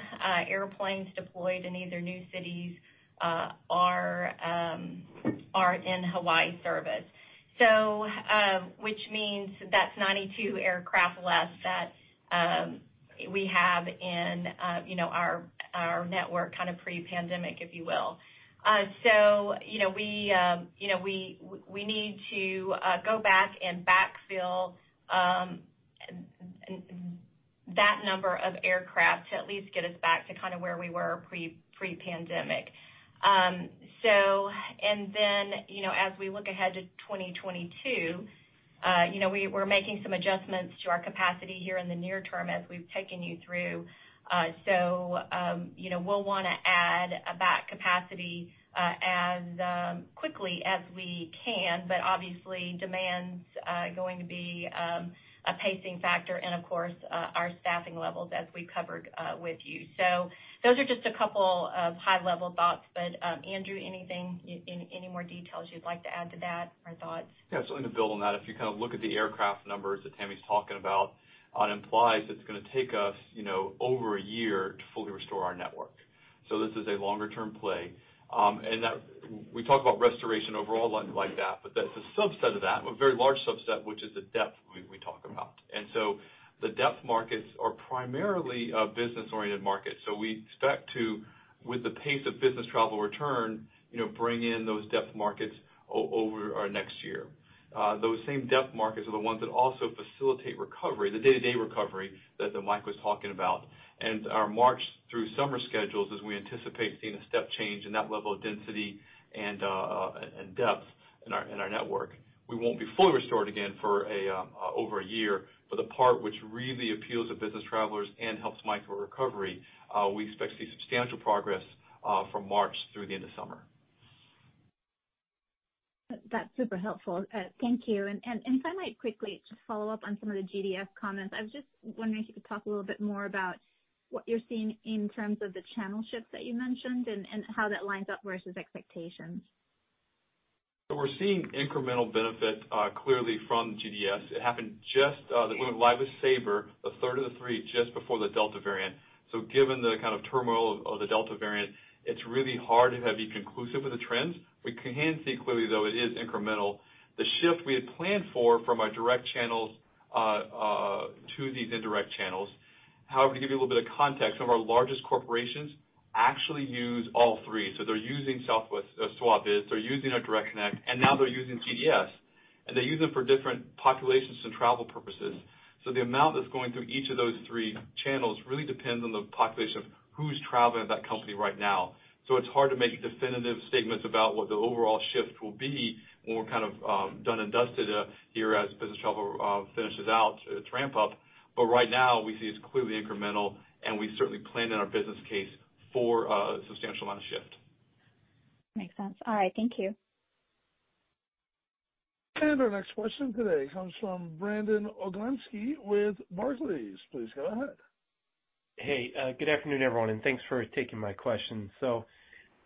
Speaker 5: airplanes deployed in either new cities. Are in Hawaii service. That's 92 aircraft less that we have in our network kind of pre-pandemic, if you will. We need to go back and backfill that number of aircraft to at least get us back to kind of where we were pre-pandemic. As we look ahead to 2022, we're making some adjustments to our capacity here in the near term as we've taken you through. We'll want to add back capacity as quickly as we can, but obviously demand's going to be a pacing factor and of course, our staffing levels as we covered with you. Those are just a couple of high-level thoughts, but Andrew, any more details you'd like to add to that or thoughts?
Speaker 6: Yeah. To build on that, if you kind of look at the aircraft numbers that Tammy's talking about, it implies it's going to take us over a year to fully restore our network. This is a longer-term play. We talk about restoration overall like that, but the subset of that, a very large subset, which is the depth we talk about. The depth markets are primarily a business-oriented market. We expect to, with the pace of business travel return, bring in those depth markets over our next year. Those same depth markets are the ones that also facilitate recovery, the day-to-day recovery that Mike was talking about, and our March through summer schedules as we anticipate seeing a step change in that level of density and depth in our network. We won't be fully restored again for over over year, but the part which really appeals to business travelers and helps Mike with recovery, we expect to see substantial progress from March through the end of summer.
Speaker 9: That's super helpful. Thank you. If I might quickly just follow up on some of the GDS comments. I was just wondering if you could talk a little bit more about what you're seeing in terms of the channel shifts that you mentioned and how that lines up versus expectations.
Speaker 6: We're seeing incremental benefit clearly from GDS. It happened just that we went live with Sabre, the third of the three, just before the Delta variant. Given the kind of turmoil of the Delta variant, it's really hard to be conclusive with the trends. We can see clearly, though, it is incremental, the shift we had planned for from our direct channels to these indirect channels. However, to give you a little bit of context, some of our largest corporations actually use all three. They're using SWABIZ, they're using our direct connect, and now they're using GDS, and they use them for different populations and travel purposes. The amount that's going through each of those three channels really depends on the population of who's traveling at that company right now. It's hard to make definitive statements about what the overall shift will be when we're kind of done and dusted here as business travel finishes out its ramp up. Right now we see it's clearly incremental, and we certainly plan in our business case for a substantial amount of shift.
Speaker 9: Makes sense. All right, thank you.
Speaker 1: Our next question today comes from Brandon Oglenski with Barclays. Please go ahead.
Speaker 10: Good afternoon, everyone, and thanks for taking my question.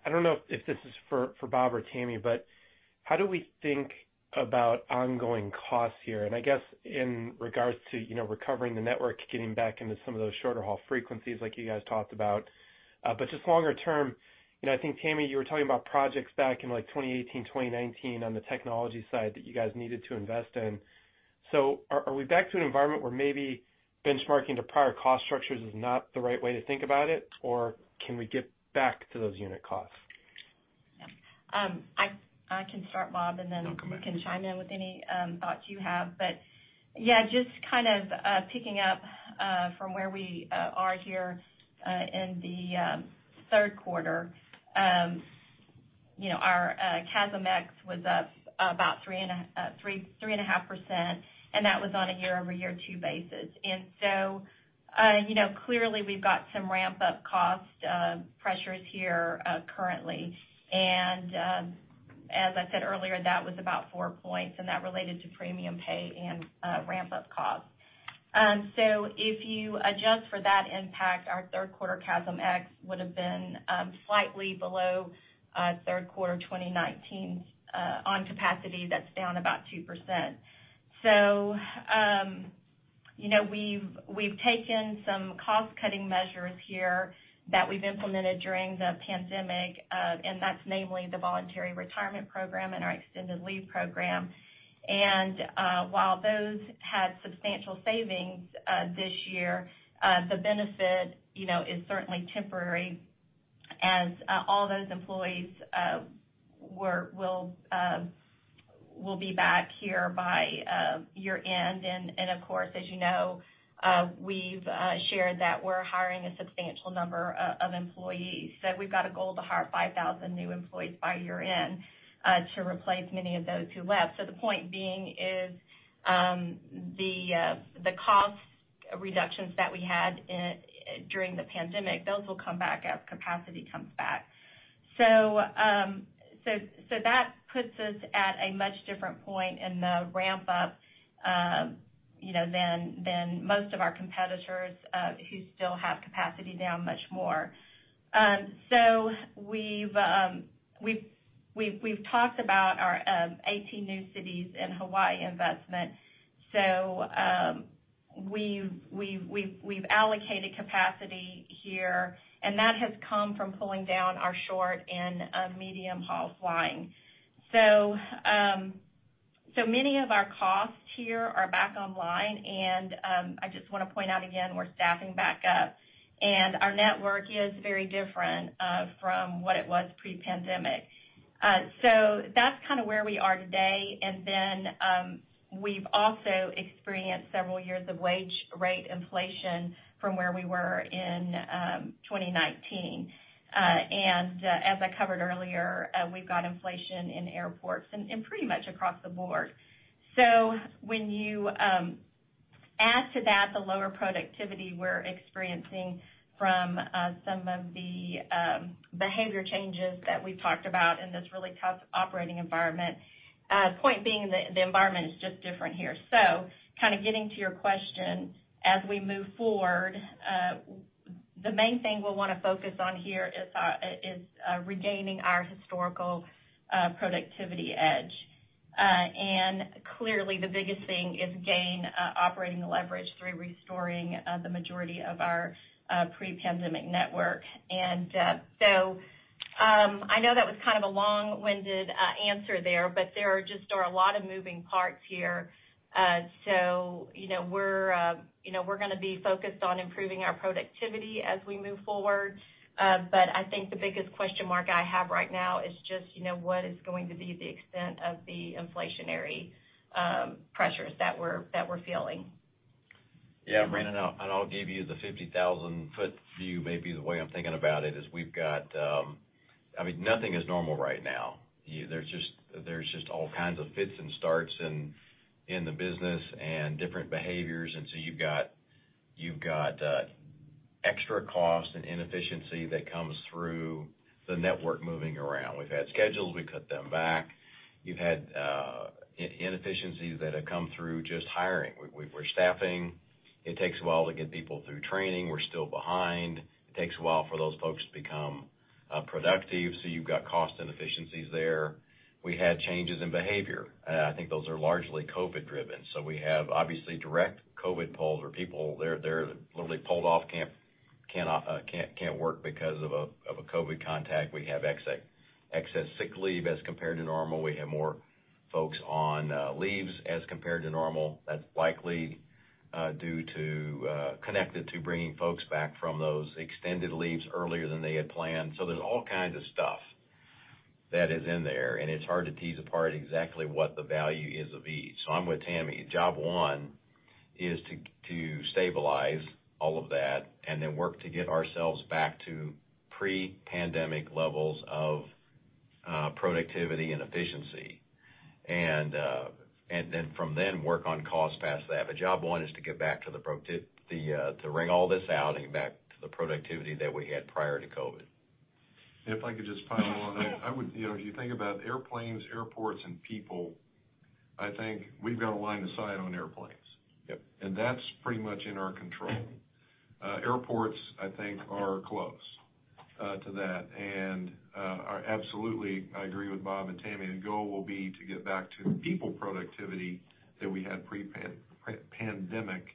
Speaker 10: I don't know if this is for Bob or Tammy, how do we think about ongoing costs here? I guess in regards to recovering the network, getting back into some of those shorter haul frequencies like you guys talked about, just longer term, I think, Tammy, you were talking about projects back in 2018, 2019 on the technology side that you guys needed to invest in. Are we back to an environment where maybe benchmarking to prior cost structures is not the right way to think about it, or can we get back to those unit costs?
Speaker 5: I can start, Bob.
Speaker 4: No, go ahead.
Speaker 5: you can chime in with any thoughts you have. Yeah, just kind of picking up from where we are here in the third quarter. Our CASM ex was up about 3.5%, and that was on a year-over-year two basis. Clearly we've got some ramp-up cost pressures here currently. As I said earlier, that was about 4 points, and that related to premium pay and ramp-up costs. If you adjust for that impact, our third quarter CASM ex would have been slightly below third quarter 2019 on capacity, that's down about 2%. We've taken some cost-cutting measures here that we've implemented during the pandemic, and that's namely the voluntary retirement program and our extended leave program. While those had substantial savings this year, the benefit is certainly temporary as all those employees will be back here by year-end. Of course, as you know, we've shared that we're hiring a substantial number of employees. We've got a goal to hire 5,000 new employees by year-end to replace many of those who left. The point being is the cost reductions that we had during the pandemic, those will come back as capacity comes back. That puts us at a much different point in the ramp up than most of our competitors who still have capacity down much more. We've talked about our 18 new cities and Hawaii investment. We've allocated capacity here, and that has come from pulling down our short and medium-haul flying. Many of our costs here are back online and, I just want to point out again, we're staffing back up, and our network is very different from what it was pre-pandemic. That's kind of where we are today. We've also experienced several years of wage rate inflation from where we were in 2019. As I covered earlier, we've got inflation in airports and pretty much across the board. When you add to that the lower productivity we're experiencing from some of the behavior changes that we've talked about in this really tough operating environment, point being that the environment is just different here. Getting to your question, as we move forward, the main thing we'll want to focus on here is regaining our historical productivity edge. Clearly the biggest thing is gain operating leverage through restoring the majority of our pre-pandemic network. I know that was kind of a long-winded answer there, but there just are a lot of moving parts here. We're going to be focused on improving our productivity as we move forward. I think the biggest question mark I have right now is just what is going to be the extent of the inflationary pressures that we're feeling.
Speaker 4: Yeah, Brandon, I'll give you the 50,000-foot view. Maybe the way I'm thinking about it is nothing is normal right now. There's just all kinds of fits and starts in the business and different behaviors. You've got extra cost and inefficiency that comes through the network moving around. We've had schedules, we cut them back. You've had inefficiencies that have come through just hiring. We're staffing. It takes a while to get people through training. We're still behind. It takes a while for those folks to become productive. You've got cost inefficiencies there. We had changes in behavior. I think those are largely COVID-driven. We have obviously direct COVID pulls where people, they're literally pulled off, can't work because of a COVID contact. We have excess sick leave as compared to normal. We have more folks on leaves as compared to normal. That's likely connected to bringing folks back from those extended leaves earlier than they had planned. There's all kinds of stuff that is in there, and it's hard to tease apart exactly what the value is of each. I'm with Tammy. Job one is to stabilize all of that and then work to get ourselves back to pre-pandemic levels of productivity and efficiency. From then work on cost past that. Job one is to wring all this out and get back to the productivity that we had prior to COVID.
Speaker 7: If I could just follow on that. If you think about airplanes, airports, and people, I think we've got a line of sight on airplanes.
Speaker 4: Yep.
Speaker 7: That's pretty much in our control. Airports, I think, are close to that. Absolutely, I agree with Bob and Tammy, the goal will be to get back to people productivity that we had pre-pandemic.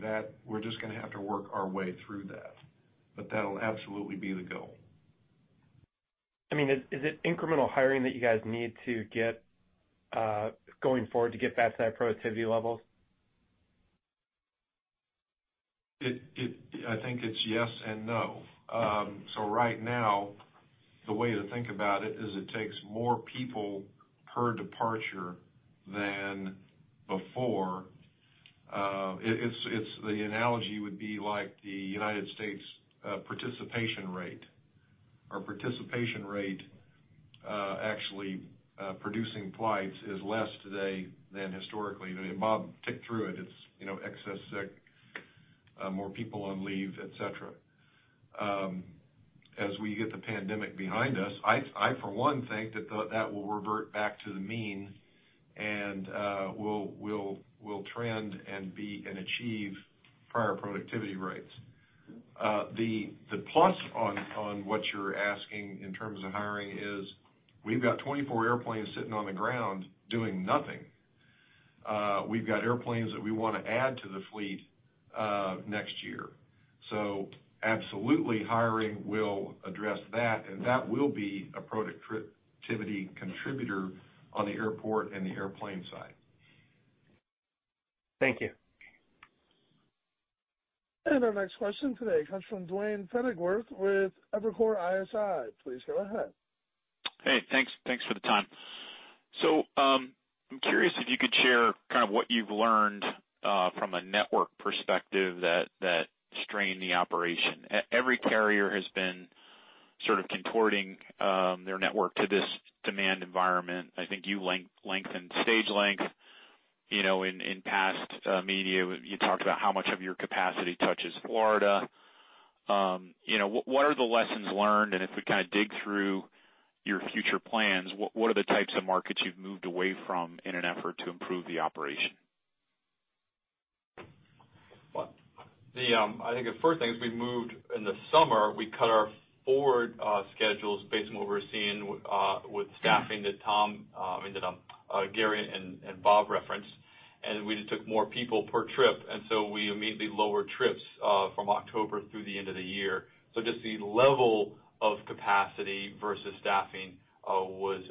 Speaker 7: That we're just going to have to work our way through that, but that'll absolutely be the goal.
Speaker 10: Is it incremental hiring that you guys need to get going forward to get back to that productivity level?
Speaker 7: I think it's yes and no. Right now, the way to think about it is it takes more people per departure than before. The analogy would be like the U.S. participation rate. Our participation rate actually producing flights is less today than historically. Bob ticked through it. It's excess sick, more people on leave, et cetera. As we get the pandemic behind us, I for one think that that will revert back to the mean, and we'll trend and achieve prior productivity rates. The plus on what you're asking in terms of hiring is we've got 24 airplanes sitting on the ground doing nothing. We've got airplanes that we want to add to the fleet next year. Absolutely, hiring will address that, and that will be a productivity contributor on the airport and the airplane side.
Speaker 10: Thank you.
Speaker 1: Our next question today comes from Duane Pfennigwerth with Evercore ISI. Please go ahead.
Speaker 11: Hey, thanks for the time. I'm curious if you could share what you've learned from a network perspective that strained the operation. Every carrier has been sort of contorting their network to this demand environment. I think you lengthened stage length. In past media, you talked about how much of your capacity touches Florida. What are the lessons learned? If we dig through your future plans, what are the types of markets you've moved away from in an effort to improve the operation?
Speaker 6: I think the first thing is we moved in the summer, we cut our forward schedules based on what we were seeing with staffing that Gary and Bob referenced. We just took more people per trip. We immediately lowered trips from October through the end of the year. Just the level of capacity versus staffing was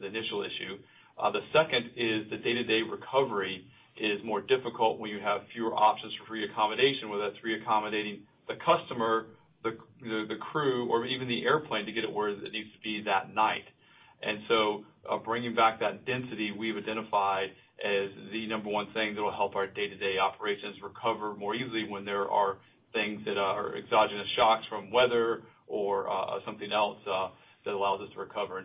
Speaker 6: the initial issue. The second is the day-to-day recovery is more difficult when you have fewer options for reaccommodation, whether that's reaccommodating the customer, the crew, or even the airplane to get it where it needs to be that night. Bringing back that density, we've identified as the number one thing that will help our day-to-day operations recover more easily when there are things that are exogenous shocks from weather or something else that allows us to recover.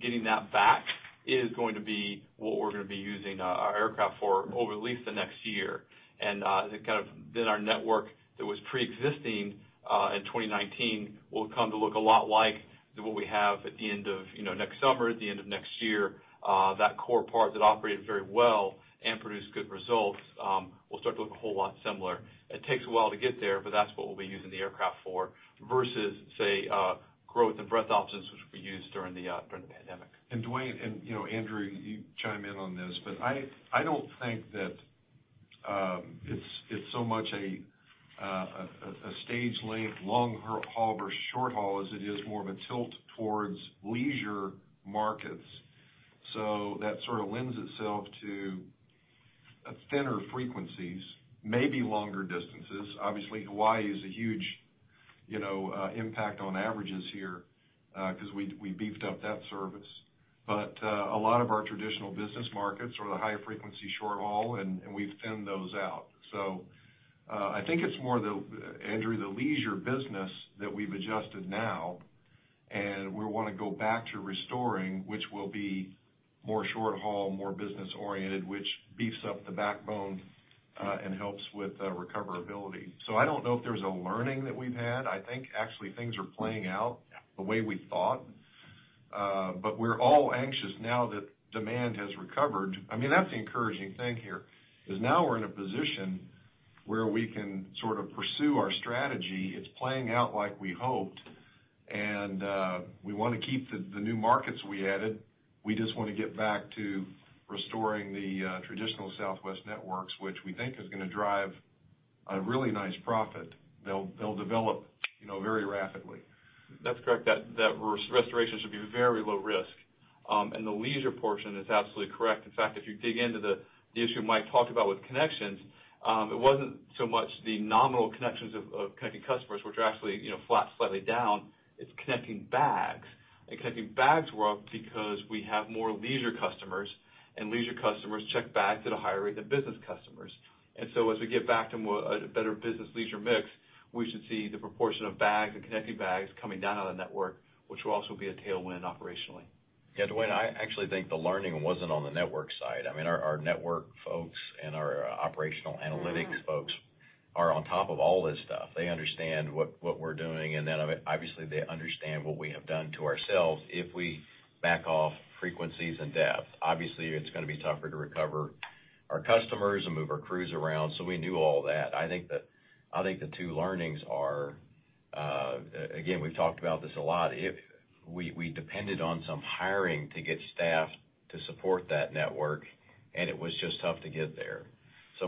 Speaker 6: Getting that back is going to be what we're going to be using our aircraft for over at least the next year. Our network that was preexisting in 2019 will come to look a lot like what we have at the end of next summer, at the end of next year. That core part that operated very well and produced good results will start to look a whole lot similar. It takes a while to get there, but that's what we'll be using the aircraft for versus, say, growth and breadth options, which will be used during the pandemic.
Speaker 3: Duane, and Andrew, you chime in on this, but I don't think that it's so much a stage length long haul versus short haul as it is more of a tilt towards leisure markets. That sort of lends itself to thinner frequencies, maybe longer distances. Obviously, Hawaii is a huge impact on averages here, because we beefed up that service. A lot of our traditional business markets are the higher frequency short haul, and we've thinned those out. I think it's more, Andrew, the leisure business that we've adjusted now, and we want to go back to restoring, which will be more short haul, more business oriented, which beefs up the backbone and helps with recoverability. I don't know if there's a learning that we've had. I think actually things are playing out the way we thought. We're all anxious now that demand has recovered. I mean, that's the encouraging thing here, is now we're in a position where we can sort of pursue our strategy. It's playing out like we hoped. We want to keep the new markets we added. We just want to get back to restoring the traditional Southwest networks, which we think is going to drive a really nice profit that'll develop very rapidly.
Speaker 6: That's correct. That restoration should be very low risk. The leisure portion is absolutely correct. In fact, if you dig into the issue Mike talked about with connections, it wasn't so much the nominal connections of connecting customers, which are actually flat slightly down. It's connecting bags. Connecting bags were up because we have more leisure customers, and leisure customers check bags at a higher rate than business customers. As we get back to a better business leisure mix, we should see the proportion of bags and connecting bags coming down on the network, which will also be a tailwind operationally.
Speaker 4: Yeah, Duane, I actually think the learning wasn't on the network side. Our network folks and our operational analytics folks are on top of all this stuff. They understand what we're doing, and then obviously they understand what we have done to ourselves if we back off frequencies and depth. Obviously, it's going to be tougher to recover our customers and move our crews around. We knew all that. I think the two learnings are, again, we've talked about this a lot. We depended on some hiring to get staff to support that network, and it was just tough to get there.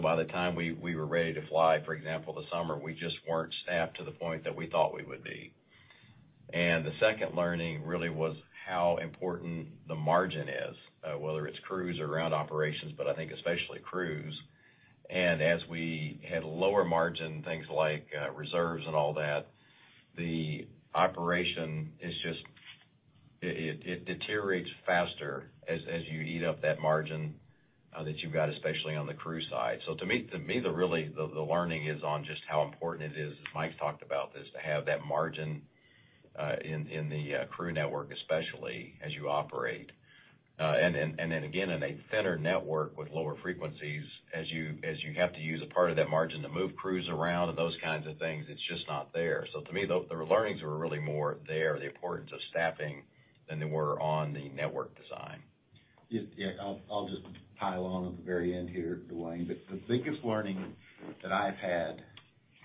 Speaker 4: By the time we were ready to fly, for example, the summer, we just weren't staffed to the point that we thought we would be. The second learning really was how important the margin is, whether it's crews or ground operations, but I think especially crews. As we had lower margin, things like reserves and all that, the operation, it deteriorates faster as you eat up that margin that you've got, especially on the crew side. To me, the learning is on just how important it is, as Mike talked about this, to have that margin in the crew network, especially as you operate. Then again, in a thinner network with lower frequencies, as you have to use a part of that margin to move crews around and those kinds of things, it's just not there. To me, the learnings were really more there, the importance of staffing, than they were on the network design.
Speaker 7: Yeah. I'll just pile on at the very end here, Duane. The biggest learning that I've had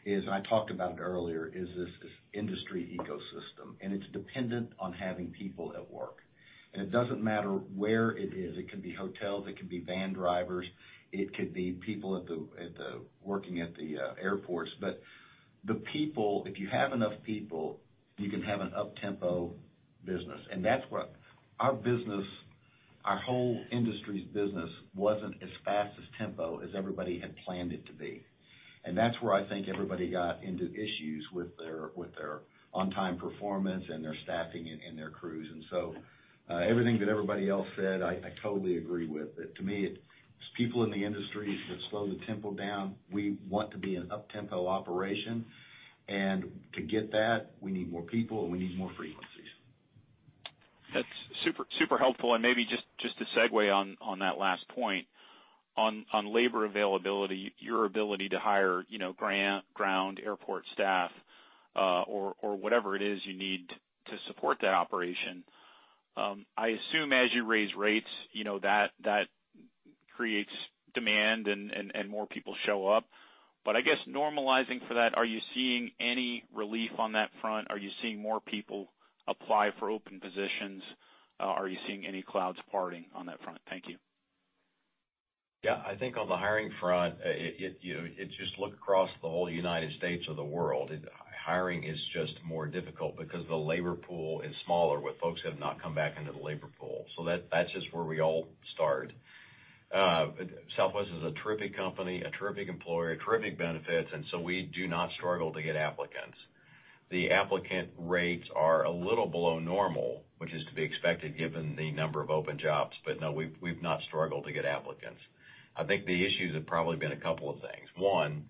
Speaker 7: is, I talked about it earlier, is this industry ecosystem. It's dependent on having people at work. It doesn't matter where it is. It could be hotels, it could be van drivers, it could be people working at the airports. If you have enough people, you can have an up-tempo business. That's what our business, our whole industry's business wasn't as fast as tempo as everybody had planned it to be. That's where I think everybody got into issues with their on-time performance and their staffing and their crews. Everything that everybody else said, I totally agree with. To me, it's people in the industry that slow the tempo down. We want to be an up-tempo operation, and to get that, we need more people, and we need more frequencies.
Speaker 11: That's super helpful. Maybe just to segue on that last point. On labor availability, your ability to hire ground airport staff or whatever it is you need to support that operation. I assume as you raise rates, that creates demand and more people show up. I guess normalizing for that, are you seeing any relief on that front? Are you seeing more people apply for open positions? Are you seeing any clouds parting on that front? Thank you.
Speaker 4: I think on the hiring front, just look across the whole United States or the world. Hiring is just more difficult because the labor pool is smaller with folks that have not come back into the labor pool. That's just where we all start. Southwest is a terrific company, a terrific employer, terrific benefits, we do not struggle to get applicants. The applicant rates are a little below normal, which is to be expected given the number of open jobs. No, we've not struggled to get applicants. I think the issues have probably been a couple of things. 1,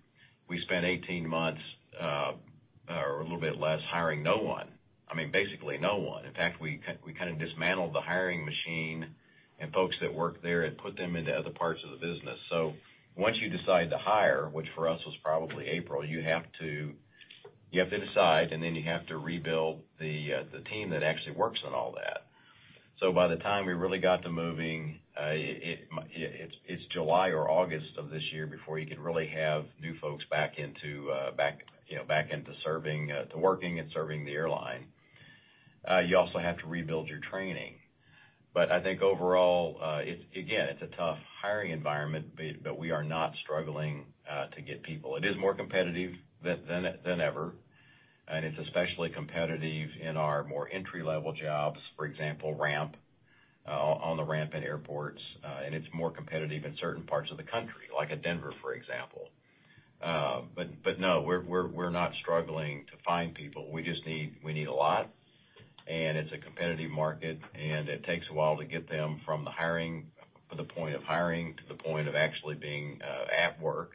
Speaker 4: we spent 18 months, or a little bit less, hiring no one. I mean, basically no one. In fact, we kind of dismantled the hiring machine and folks that work there and put them into other parts of the business. Once you decide to hire, which for us was probably April, you have to decide, and then you have to rebuild the team that actually works on all that. By the time we really got to moving, it's July or August of this year before you could really have new folks back into working and serving the airline. You also have to rebuild your training. I think overall, again, it's a tough hiring environment, but we are not struggling to get people. It is more competitive than ever, and it's especially competitive in our more entry-level jobs, for example, ramp, on the ramp at airports, and it's more competitive in certain parts of the country, like at Denver, for example. No, we're not struggling to find people. We just need a lot, and it's a competitive market, and it takes a while to get them from the point of hiring to the point of actually being at work.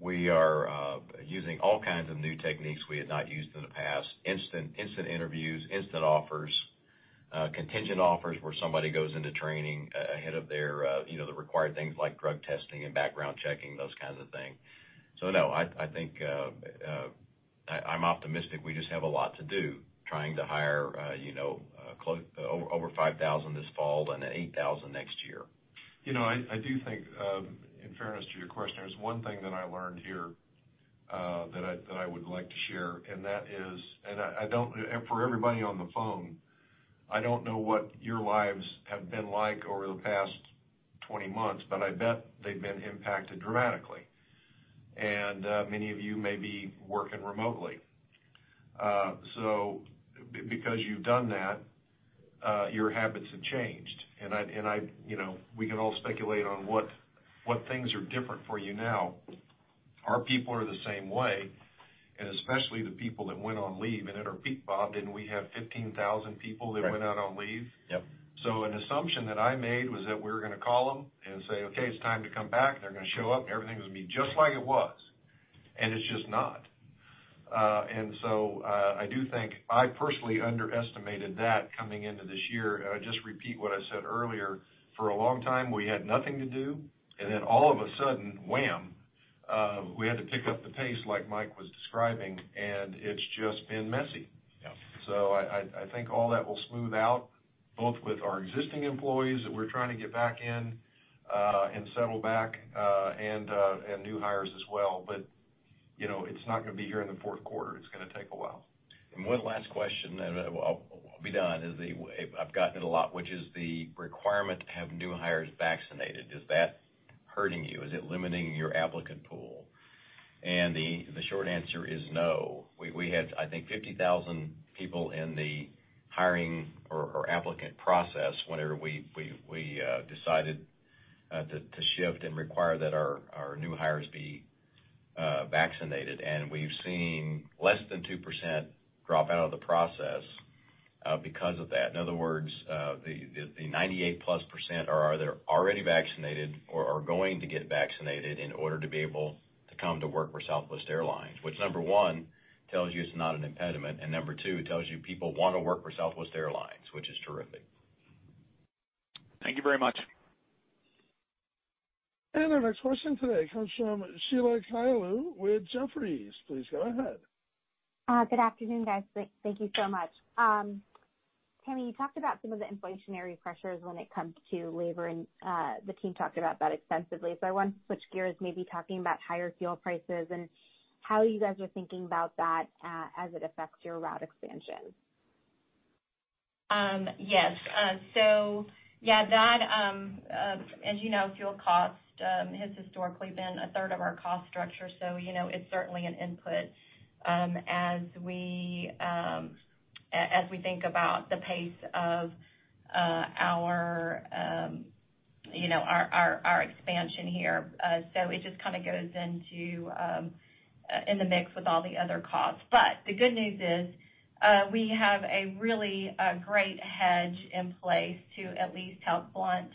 Speaker 4: We are using all kinds of new techniques we had not used in the past. Instant interviews, instant offers, contingent offers where somebody goes into training ahead of the required things like drug testing and background checking, those kinds of things. No, I think I'm optimistic. We just have a lot to do trying to hire over 5,000 this fall and then 8,000 next year.
Speaker 3: I do think, in fairness to your question, there's one thing that I learned here that I would like to share, and that is for everybody on the phone, I don't know what your lives have been like over the past 20 months, but I bet they've been impacted dramatically. Many of you may be working remotely. Because you've done that, your habits have changed, and we can all speculate on what things are different for you now. Our people are the same way, and especially the people that went on leave. At our peak, Bob, didn't we have 15,000 people that went out on leave?
Speaker 4: Yep.
Speaker 3: An assumption that I made was that we were going to call them and say, "Okay, it's time to come back." They're going to show up. Everything's going to be just like it was. It's just not. I do think I personally underestimated that coming into this year. I would just repeat what I said earlier. For a long time, we had nothing to do, and then all of a sudden, wham, we had to pick up the pace like Mike was describing, and it's just been messy.
Speaker 4: Yeah.
Speaker 3: I think all that will smooth out, both with our existing employees that we're trying to get back in and settle back, and new hires as well. It's not going to be here in the fourth quarter. It's going to take a while.
Speaker 4: One last question, then I'll be done. I've gotten it a lot, which is the requirement to have new hires vaccinated. Is that hurting you? Is it limiting your applicant pool? The short answer is no. We had, I think, 50,000 people in the hiring or applicant process whenever we decided to shift and require that our new hires be vaccinated, and we've seen less than 2% drop out of the process because of that. In other words, the 98%-plus are either already vaccinated or are going to get vaccinated in order to be able to come to work for Southwest Airlines, which, number one, tells you it's not an impediment, and number two, it tells you people want to work for Southwest Airlines, which is terrific.
Speaker 11: Thank you very much.
Speaker 1: Our next question today comes from Sheila Kahyaoglu with Jefferies. Please go ahead.
Speaker 12: Good afternoon, guys. Thank you so much. Tammy, you talked about some of the inflationary pressures when it comes to labor, and the team talked about that extensively. I want to switch gears, maybe talking about higher fuel prices and how you guys are thinking about that as it affects your route expansion.
Speaker 5: Yes. As you know, fuel cost has historically been a third of our cost structure, it's certainly an input as we think about the pace of our expansion here. It just kind of goes into in the mix with all the other costs. The good news is we have a really great hedge in place to at least help blunt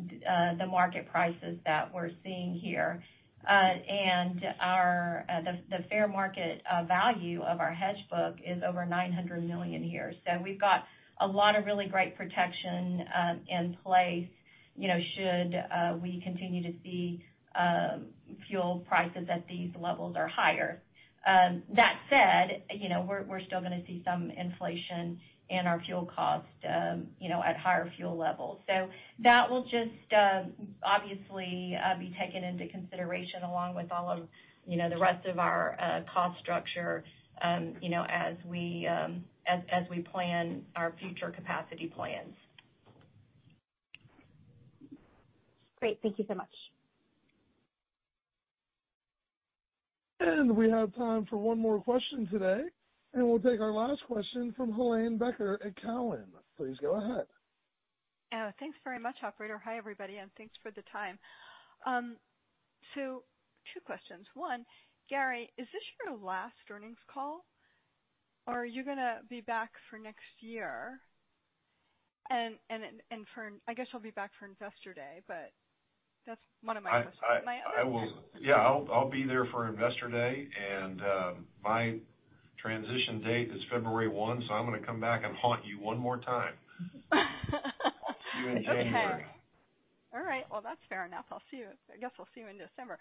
Speaker 5: the market prices that we're seeing here. The fair market value of our hedge book is over $900 million a year. We've got a lot of really great protection in place should we continue to see fuel prices at these levels or higher. We're still going to see some inflation in our fuel cost at higher fuel levels. That will just obviously be taken into consideration along with all of the rest of our cost structure as we plan our future capacity plans.
Speaker 12: Great. Thank you so much.
Speaker 1: We have time for one more question today, and we'll take our last question from Helane Becker at Cowen. Please go ahead.
Speaker 13: Thanks very much, operator. Hi, everybody, and thanks for the time. Two questions. One, Gary, is this your last earnings call, or are you going to be back for next year? I guess you'll be back for Investor Day, but that's one of my questions. My other question.
Speaker 3: Yeah, I'll be there for Investor Day, and my transition date is February 1, so I'm going to come back and haunt you one more time. See you in January.
Speaker 13: Okay. All right. Well, that's fair enough. I guess I'll see you in December.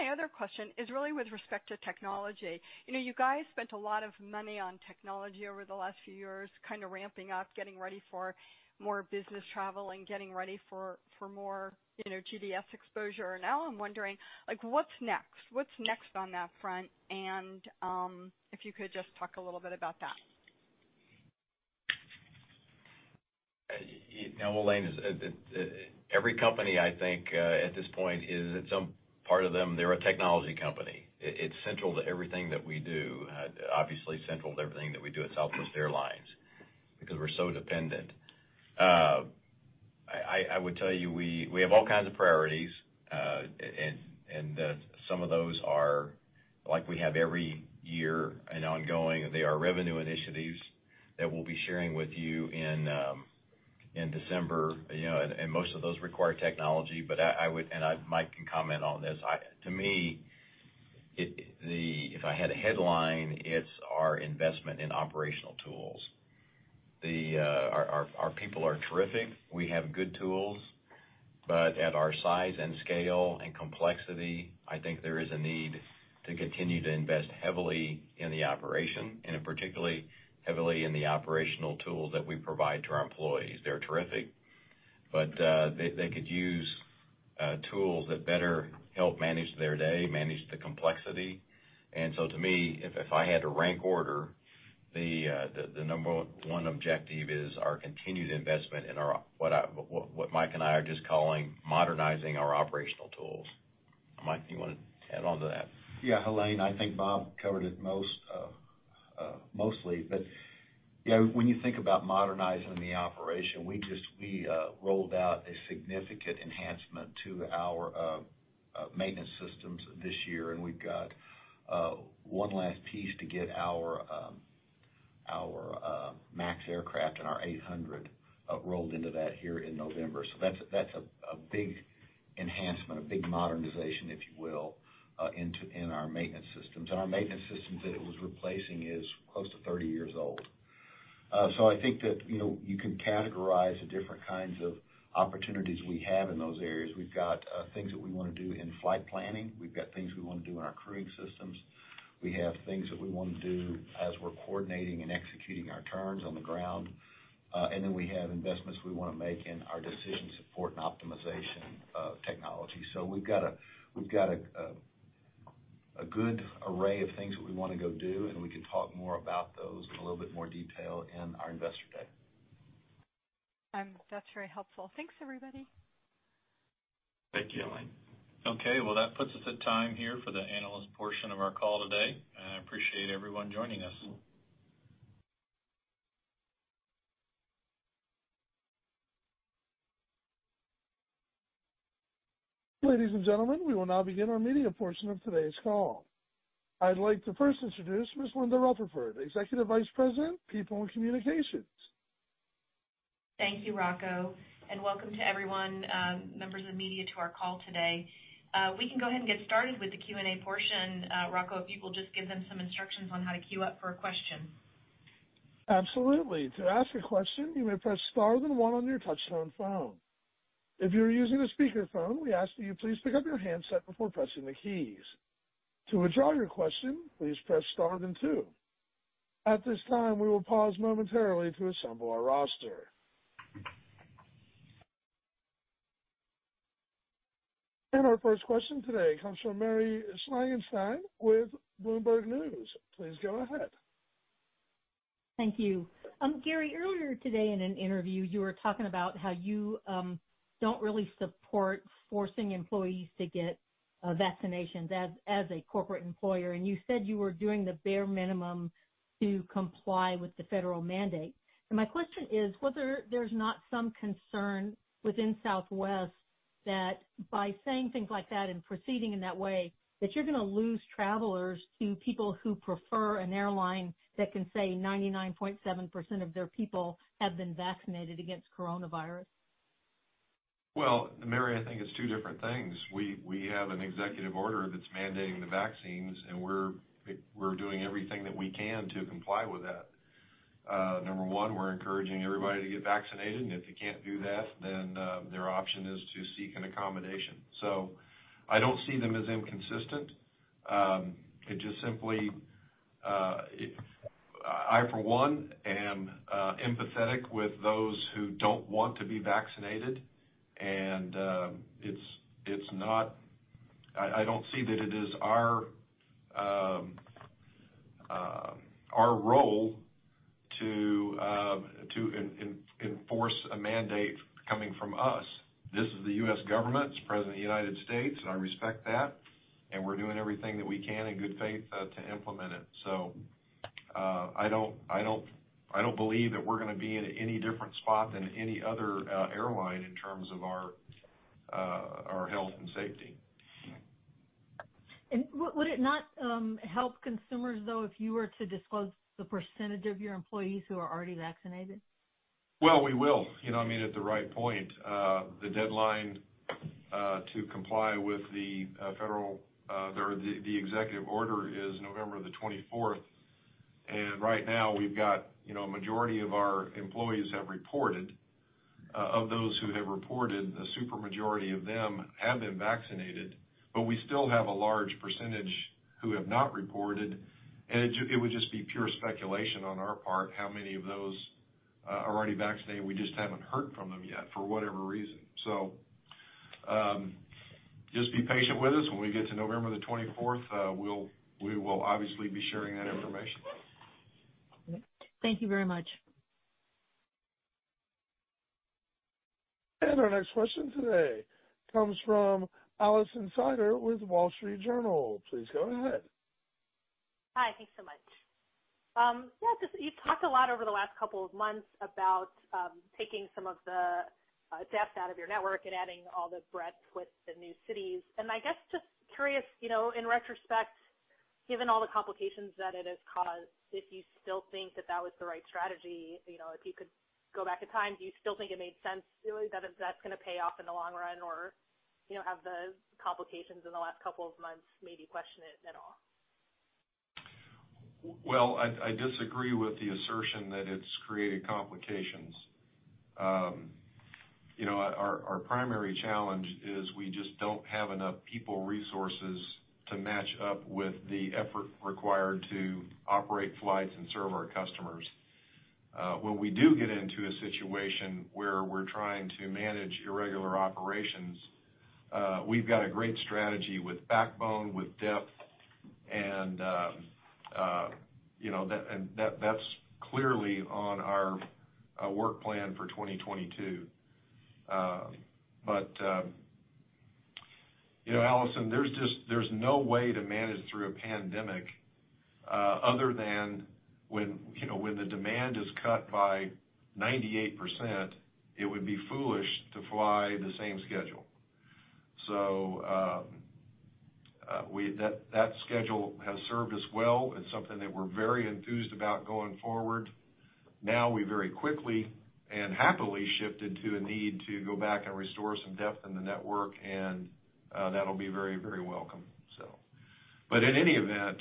Speaker 13: My other question is really with respect to technology. You guys spent a lot of money on technology over the last few years, kind of ramping up, getting ready for more business travel and getting ready for more GDS exposure. Now I'm wondering what's next? What's next on that front? If you could just talk a little bit about that.
Speaker 4: Helane, every company, I think, at this point is, at some part of them, they're a technology company. It's central to everything that we do, obviously central to everything that we do at Southwest Airlines, because we're so dependent. I would tell you, we have all kinds of priorities, and some of those are like we have every year, an ongoing. They are revenue initiatives that we'll be sharing with you in December, and most of those require technology. Mike can comment on this, to me, if I had a headline, it's our investment in operational tools. Our people are terrific. We have good tools, but at our size and scale and complexity, I think there is a need to continue to invest heavily in the operation and particularly heavily in the operational tools that we provide to our employees. They're terrific, but they could use tools that better help manage their day, manage the complexity. To me, if I had to rank order, the number one objective is our continued investment in what Mike and I are just calling modernizing our operational tools. Mike, you want to add on to that?
Speaker 7: Helane, I think Bob covered it mostly. When you think about modernizing the operation, we rolled out a significant enhancement to our maintenance systems this year, and we've got one last piece to get our MAX aircraft and our 800 rolled into that here in November. That's a big enhancement, a big modernization, if you will, in our maintenance systems. Our maintenance systems that it was replacing is close to 30 years old. I think that you can categorize the different kinds of opportunities we have in those areas. We've got things that we want to do in flight planning. We've got things we want to do in our crewing systems. We have things that we want to do as we're coordinating and executing our turns on the ground. We have investments we want to make in our decision support and optimization of technology. We've got a good array of things that we want to go do, and we can talk more about those in a little bit more detail in our Investor Day.
Speaker 13: That's very helpful. Thanks, everybody.
Speaker 4: Thank you, Helane.
Speaker 2: Okay. Well, that puts us at time here for the analyst portion of our call today. I appreciate everyone joining us.
Speaker 1: Ladies and gentlemen, we will now begin our media portion of today's call. I'd like to first introduce Ms. Linda Rutherford, Executive Vice President, People and Communications.
Speaker 14: Thank you, Rocco, and welcome to everyone, members of media, to our call today. We can go ahead and get started with the Q&A portion. Rocco, if you will just give them some instructions on how to queue up for a question.
Speaker 1: Absolutely. To ask a question, you may press star then one on your touch-tone phone. If you are using a speakerphone, we ask that you please pick up your handset before pressing the keys. To withdraw your question, please press star then two. At this time, we will pause momentarily to assemble our roster. Our first question today comes from Mary Schlangenstein with Bloomberg News. Please go ahead.
Speaker 15: Thank you. Gary, earlier today in an interview, you were talking about how you don't really support forcing employees to get vaccinations as a corporate employer, and you said you were doing the bare minimum to comply with the federal mandate. My question is whether there's not some concern within Southwest that by saying things like that and proceeding in that way, that you're going to lose travelers to people who prefer an airline that can say 99.7% of their people have been vaccinated against coronavirus.
Speaker 3: Well, Mary, I think it's two different things. We have an executive order that's mandating the vaccines, and we're doing everything that we can to comply with that. Number one, we're encouraging everybody to get vaccinated, and if you can't do that, then their option is to seek an accommodation. I don't see them as inconsistent. I, for one, am empathetic with those who don't want to be vaccinated, and I don't see that it is our role to enforce a mandate coming from us. This is the U.S. government, it's the President of the United States, and I respect that, and we're doing everything that we can in good faith to implement it. I don't believe that we're going to be in any different spot than any other airline in terms of our health and safety.
Speaker 15: Would it not help consumers, though, if you were to disclose the percentage of your employees who are already vaccinated?
Speaker 3: Well, we will. I mean, at the right point. The deadline to comply with the executive order is November the 24th. Right now, we've got a majority of our employees have reported. Of those who have reported, a super majority of them have been vaccinated, but we still have a large percentage who have not reported. It would just be pure speculation on our part how many of those are already vaccinated, and we just haven't heard from them yet, for whatever reason. Just be patient with us. When we get to November the 24th, we will obviously be sharing that information.
Speaker 15: Thank you very much.
Speaker 1: Our next question today comes from Alison Sider with Wall Street Journal. Please go ahead
Speaker 16: Hi. Thanks so much. Just, you've talked a lot over the last couple of months about taking some of the depth out of your network and adding all the breadth with the new cities. I guess, just curious, in retrospect, given all the complications that it has caused, if you still think that that was the right strategy. If you could go back in time, do you still think it made sense, really? That's going to pay off in the long run or have the complications in the last couple of months made you question it at all?
Speaker 3: I disagree with the assertion that it's created complications. Our primary challenge is we just don't have enough people resources to match up with the effort required to operate flights and serve our customers. When we do get into a situation where we're trying to manage irregular operations, we've got a great strategy with backbone, with depth, and that's clearly on our work plan for 2022. Alison, there's no way to manage through a pandemic other than when the demand is cut by 98%, it would be foolish to fly the same schedule. That schedule has served us well. It's something that we're very enthused about going forward. We very quickly and happily shifted to a need to go back and restore some depth in the network, and that'll be very welcome. In any event,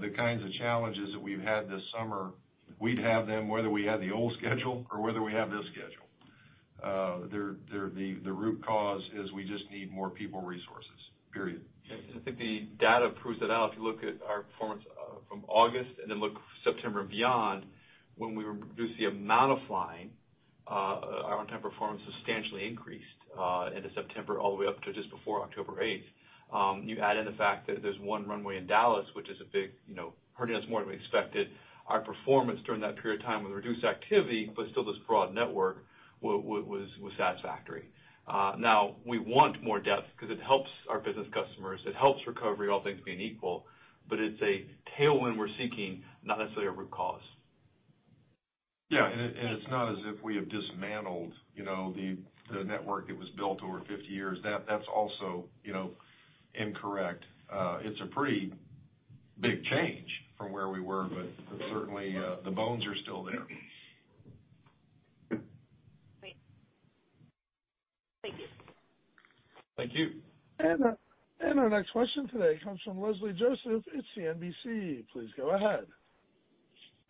Speaker 3: the kinds of challenges that we've had this summer, we'd have them whether we had the old schedule or whether we have this schedule. The root cause is we just need more people resources, period.
Speaker 6: I think the data proves that out. If you look at our performance from August and then look September beyond, when we reduced the amount of flying, our on-time performance substantially increased into September all the way up to just before October 8th. You add in the fact that there's one runway in Dallas, which is a big, hurting us more than we expected. Our performance during that period of time with reduced activity, but still this broad network, was satisfactory. We want more depth because it helps our business customers. It helps recovery, all things being equal, but it's a tailwind we're seeking, not necessarily a root cause.
Speaker 3: Yeah, it's not as if we have dismantled the network that was built over 50 years. That's also incorrect. It's a pretty big change from where we were, but certainly, the bones are still there.
Speaker 16: Great. Thank you.
Speaker 6: Thank you.
Speaker 1: Our next question today comes from Leslie Josephs at CNBC. Please go ahead.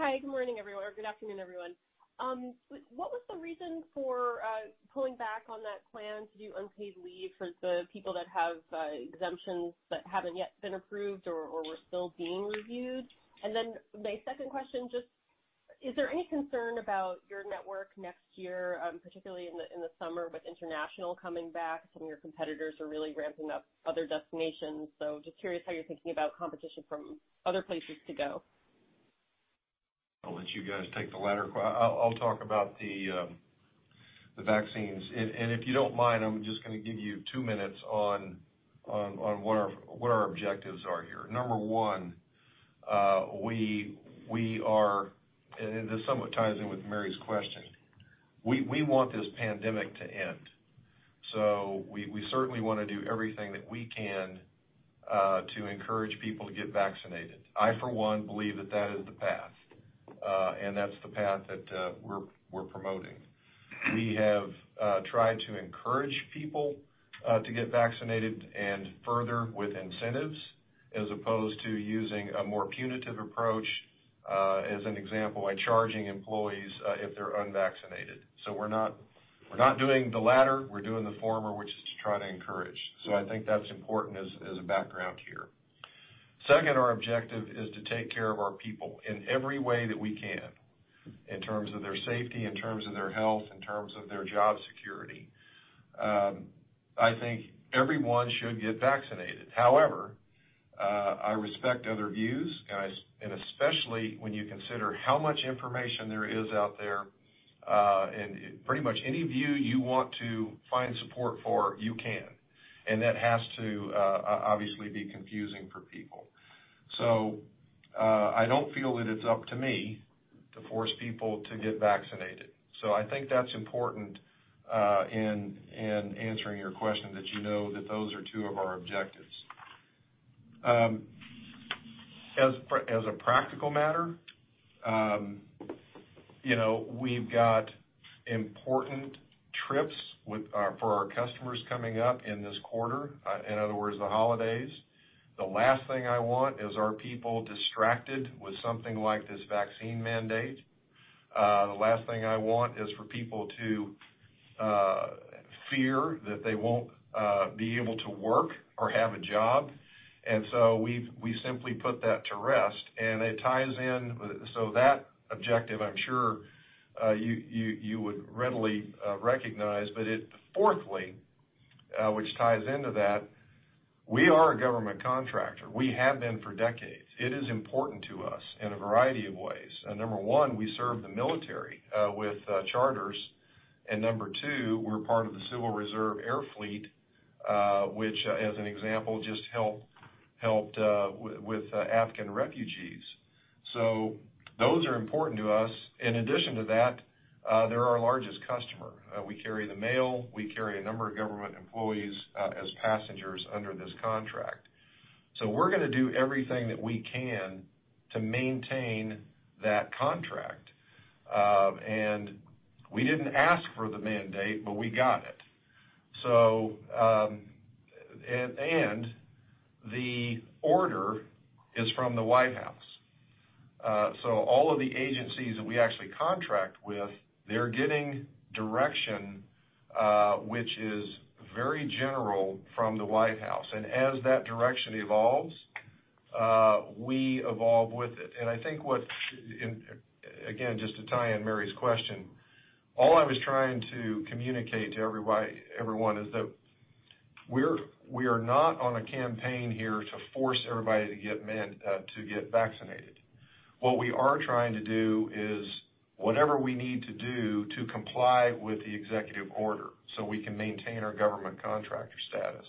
Speaker 17: Hi, good morning, everyone, or good afternoon, everyone. What was the reason for pulling back on that plan to do unpaid leave for the people that have exemptions that haven't yet been approved or were still being reviewed? My second question, just is there any concern about your network next year, particularly in the summer with international coming back? Some of your competitors are really ramping up other destinations. Just curious how you're thinking about competition from other places to go.
Speaker 3: I'll let you guys take the latter. I'll talk about the vaccines. If you don't mind, I'm just going to give you two minutes on what our objectives are here. Number 1, and this somewhat ties in with Mary's question, we want this pandemic to end. We certainly want to do everything that we can to encourage people to get vaccinated. I, for one, believe that that is the path, and that's the path that we're promoting. We have tried to encourage people to get vaccinated and further with incentives as opposed to using a more punitive approach, as an example, by charging employees if they're unvaccinated. We're not doing the latter, we're doing the former, which is to try to encourage. I think that's important as a background here. Our objective is to take care of our people in every way that we can in terms of their safety, in terms of their health, in terms of their job security. I think everyone should get vaccinated. I respect other views and especially when you consider how much information there is out there, and pretty much any view you want to find support for, you can. That has to obviously be confusing for people. I don't feel that it's up to me to force people to get vaccinated. I think that's important in answering your question that you know that those are two of our objectives. As a practical matter, we've got important trips for our customers coming up in this quarter, in other words, the holidays. The last thing I want is our people distracted with something like this vaccine mandate. The last thing I want is for people to fear that they won't be able to work or have a job. We simply put that to rest and it ties in, so that objective, I'm sure, you would readily recognize. Fourthly, which ties into that, we are a government contractor. We have been for decades. It is important to us in a variety of ways. Number 1, we serve the military with charters, and Number 2, we're part of the Civil Reserve Air Fleet, which, as an example, just helped with Afghan refugees. Those are important to us. In addition to that, they're our largest customer. We carry the mail, we carry a number of government employees as passengers under this contract. We're going to do everything that we can to maintain that contract. We didn't ask for the mandate, but we got it. The order is from the White House. All of the agencies that we actually contract with, they're getting direction, which is very general from the White House. As that direction evolves, we evolve with it. I think what, again, just to tie in Mary's question, all I was trying to communicate to everyone is that we are not on a campaign here to force everybody to get vaccinated. What we are trying to do is whatever we need to do to comply with the executive order so we can maintain our government contractor status.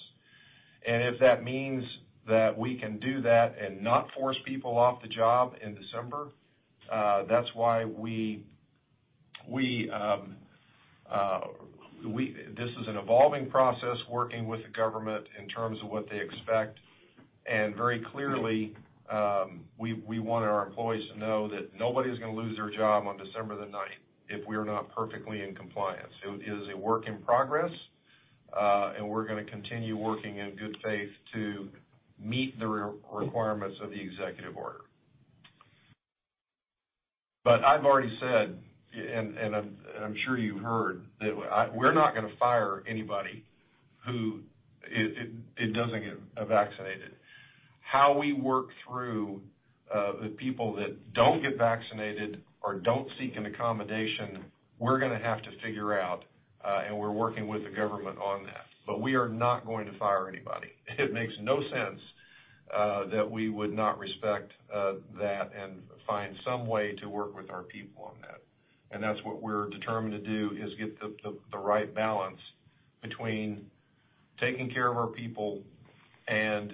Speaker 3: If that means that we can do that and not force people off the job in December, this is an evolving process, working with the government in terms of what they expect, and very clearly, we want our employees to know that nobody's going to lose their job on December 9th if we are not perfectly in compliance. It is a work in progress, and we're going to continue working in good faith to meet the requirements of the executive order. I've already said, and I'm sure you heard, that we're not going to fire anybody who doesn't get vaccinated. How we work through the people that don't get vaccinated or don't seek an accommodation, we're going to have to figure out, and we're working with the government on that. We are not going to fire anybody. It makes no sense that we would not respect that and find some way to work with our people on that. That's what we're determined to do, is get the right balance between taking care of our people and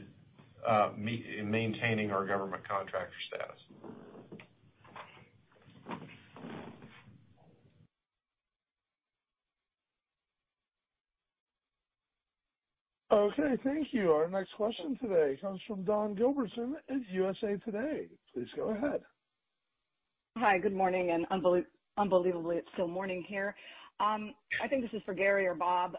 Speaker 3: maintaining our government contractor status.
Speaker 1: Okay, thank you. Our next question today comes from Dawn Gilbertson at USA Today. Please go ahead.
Speaker 18: Hi, good morning, and unbelievably, it's still morning here. I think this is for Gary or Bob.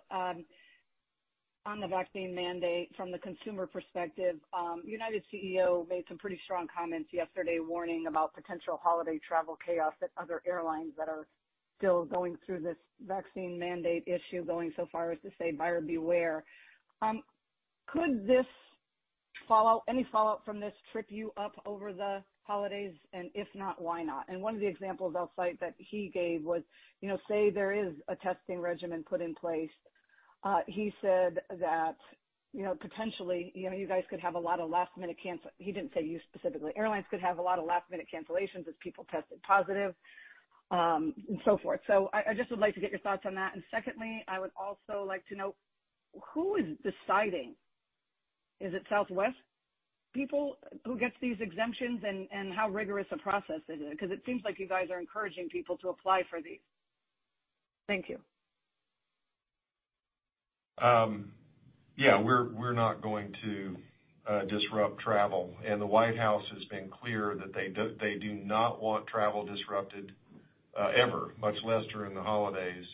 Speaker 18: On the vaccine mandate, from the consumer perspective, United Airlines' CEO made some pretty strong comments yesterday warning about potential holiday travel chaos at other airlines that are still going through this vaccine mandate issue, going so far as to say, "Buyer beware." Could any fallout from this trip you up over the holidays? If not, why not? One of the examples I'll cite that he gave was, say there is a testing regimen put in place. He said that potentially, you guys could have a lot of last-minute. He didn't say you specifically. Airlines could have a lot of last-minute cancellations as people tested positive, and so forth. I just would like to get your thoughts on that. Secondly, I would also like to know who is deciding? Is it Southwest people who gets these exemptions, and how rigorous a process is it? It seems like you guys are encouraging people to apply for these. Thank you.
Speaker 3: Yeah, we're not going to disrupt travel. The White House has been clear that they do not want travel disrupted ever, much less during the holidays,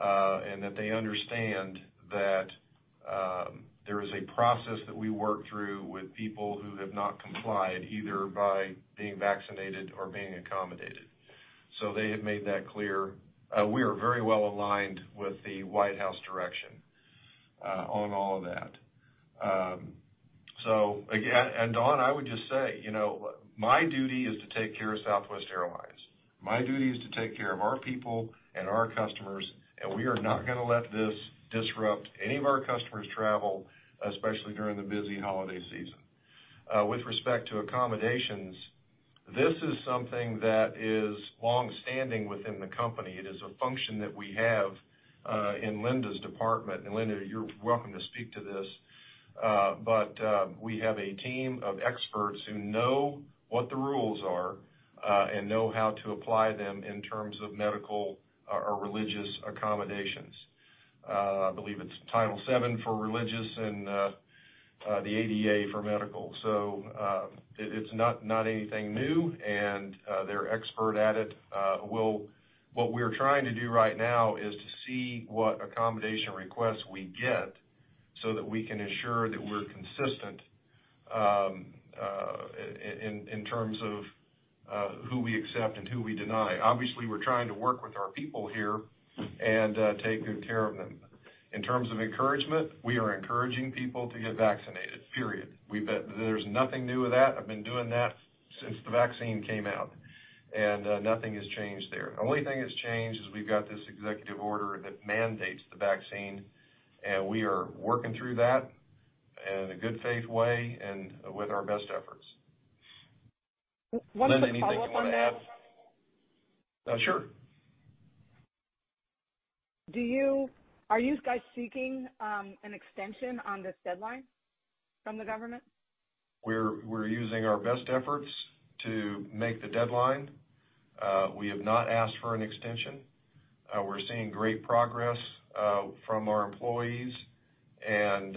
Speaker 3: and that they understand that there is a process that we work through with people who have not complied, either by being vaccinated or being accommodated. They have made that clear. We are very well aligned with the White House direction on all of that. Dawn, I would just say, my duty is to take care of Southwest Airlines. My duty is to take care of our people and our customers, and we are not going to let this disrupt any of our customers' travel, especially during the busy holiday season. With respect to accommodations, this is something that is longstanding within the company. It is a function that we have in Linda's department. Linda, you're welcome to speak to this. We have a team of experts who know what the rules are, and know how to apply them in terms of medical or religious accommodations. I believe it's Title VII for religious and the ADA for medical. It's not anything new, and they're expert at it. What we're trying to do right now is to see what accommodation requests we get so that we can ensure that we're consistent in terms of who we accept and who we deny. Obviously, we're trying to work with our people here and take good care of them. In terms of encouragement, we are encouraging people to get vaccinated, period. There's nothing new with that. I've been doing that since the vaccine came out, and nothing has changed there. The only thing that's changed is we've got this executive order that mandates the vaccine, and we are working through that in a good faith way and with our best efforts. Linda, anything you want to add?
Speaker 18: One quick follow-up on that.
Speaker 3: Sure.
Speaker 18: Are you guys seeking an extension on this deadline from the government?
Speaker 3: We're using our best efforts to make the deadline. We have not asked for an extension. We're seeing great progress from our employees, and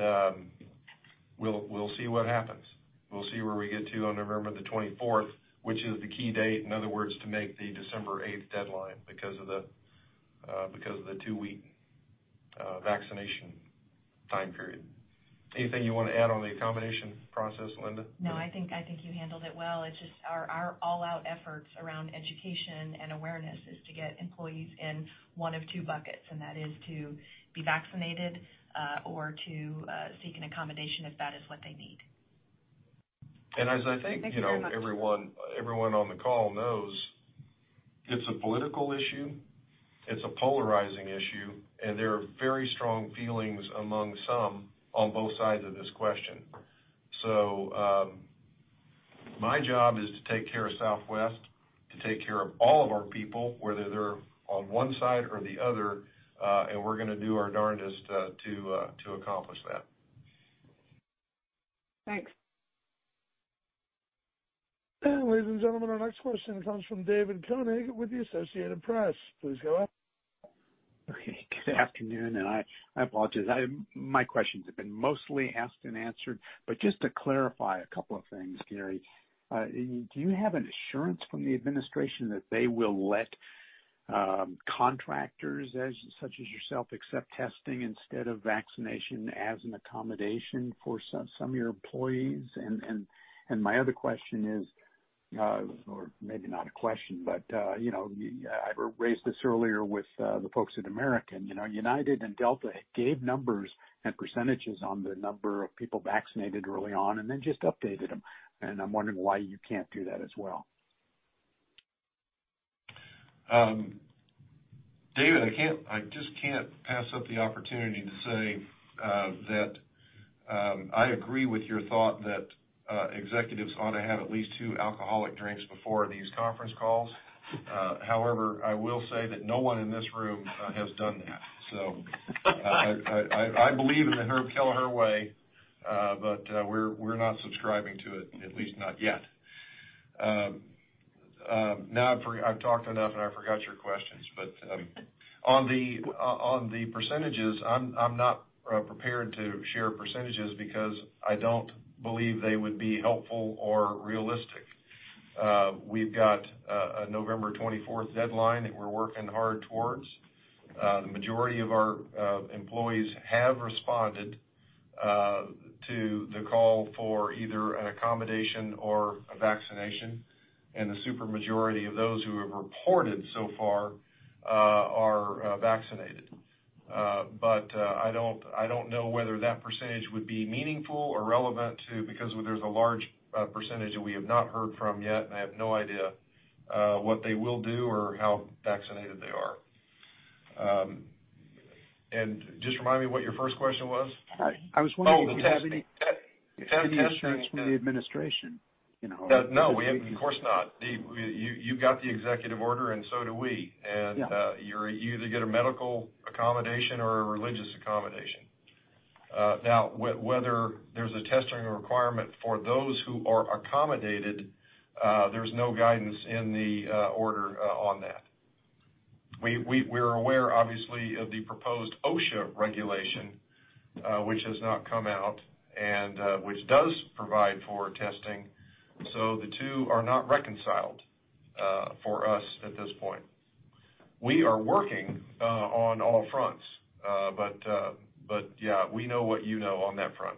Speaker 3: we'll see what happens. We'll see where we get to on November the 24th, which is the key date, in other words, to make the December eighth deadline because of the two-week vaccination time period. Anything you want to add on the accommodation process, Linda?
Speaker 14: No, I think you handled it well. It's just our all-out efforts around education and awareness is to get employees in one of two buckets, and that is to be vaccinated, or to seek an accommodation if that is what they need.
Speaker 3: And as I think-
Speaker 18: Thank you very much.
Speaker 3: Everyone on the call knows, it's a political issue, it's a polarizing issue, and there are very strong feelings among some on both sides of this question. My job is to take care of Southwest, to take care of all of our people, whether they're on one side or the other, and we're going to do our darndest to accomplish that.
Speaker 18: Thanks.
Speaker 1: Ladies and gentlemen, our next question comes from David Koenig with The Associated Press. Please go ahead.
Speaker 19: Okay. Good afternoon. I apologize. My questions have been mostly asked and answered. Just to clarify a couple of things, Gary. Do you have an assurance from the administration that they will let contractors such as yourself accept testing instead of vaccination as an accommodation for some of your employees? My other question is, or maybe not a question. I raised this earlier with the folks at American. United and Delta gave numbers and percentages on the number of people vaccinated early on and then just updated them. I'm wondering why you can't do that as well.
Speaker 3: David, I just can't pass up the opportunity to say that I agree with your thought that executives ought to have at least two alcoholic drinks before these conference calls. However, I will say that no one in this room has done that. I believe in the Herb Kelleher way, but we're not subscribing to it, at least not yet. Now I've talked enough, and I forgot your questions. On the percentages, I'm not prepared to share percentages because I don't believe they would be helpful or realistic. We've got a November 24th deadline that we're working hard towards. The majority of our employees have responded to the call for either an accommodation or a vaccination, and the super majority of those who have reported so far are vaccinated. I don't know whether that percentage would be meaningful or relevant, because there's a large percentage that we have not heard from yet, and I have no idea what they will do or how vaccinated they are. Just remind me what your first question was.
Speaker 19: I was wondering if you have any-
Speaker 3: Oh, the testing.
Speaker 19: any assurance from the administration?
Speaker 3: No, of course not. You've got the executive order, and so do we.
Speaker 19: Yeah.
Speaker 3: You either get a medical accommodation or a religious accommodation. Now, whether there's a testing requirement for those who are accommodated, there's no guidance in the order on that. We're aware, obviously, of the proposed OSHA regulation, which has not come out, and which does provide for testing. The two are not reconciled for us at this point. We are working on all fronts. Yeah, we know what you know on that front.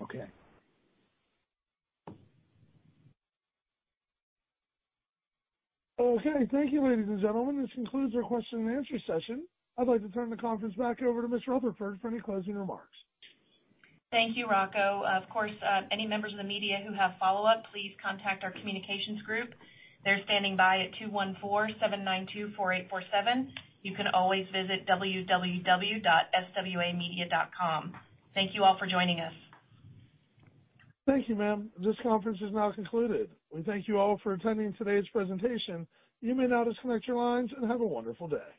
Speaker 19: Okay.
Speaker 1: Okay. Thank you, ladies and gentlemen. This concludes our question-and-answer session. I'd like to turn the conference back over to Ms. Rutherford for any closing remarks.
Speaker 14: Thank you, Rocco. Of course, any members of the media who have follow-up, please contact our communications group. They're standing by at 214-792-4847. You can always visit www.swamedia.com. Thank you all for joining us.
Speaker 1: Thank you, ma'am. This conference is now concluded. We thank you all for attending today's presentation. You may now disconnect your lines, and have a wonderful day.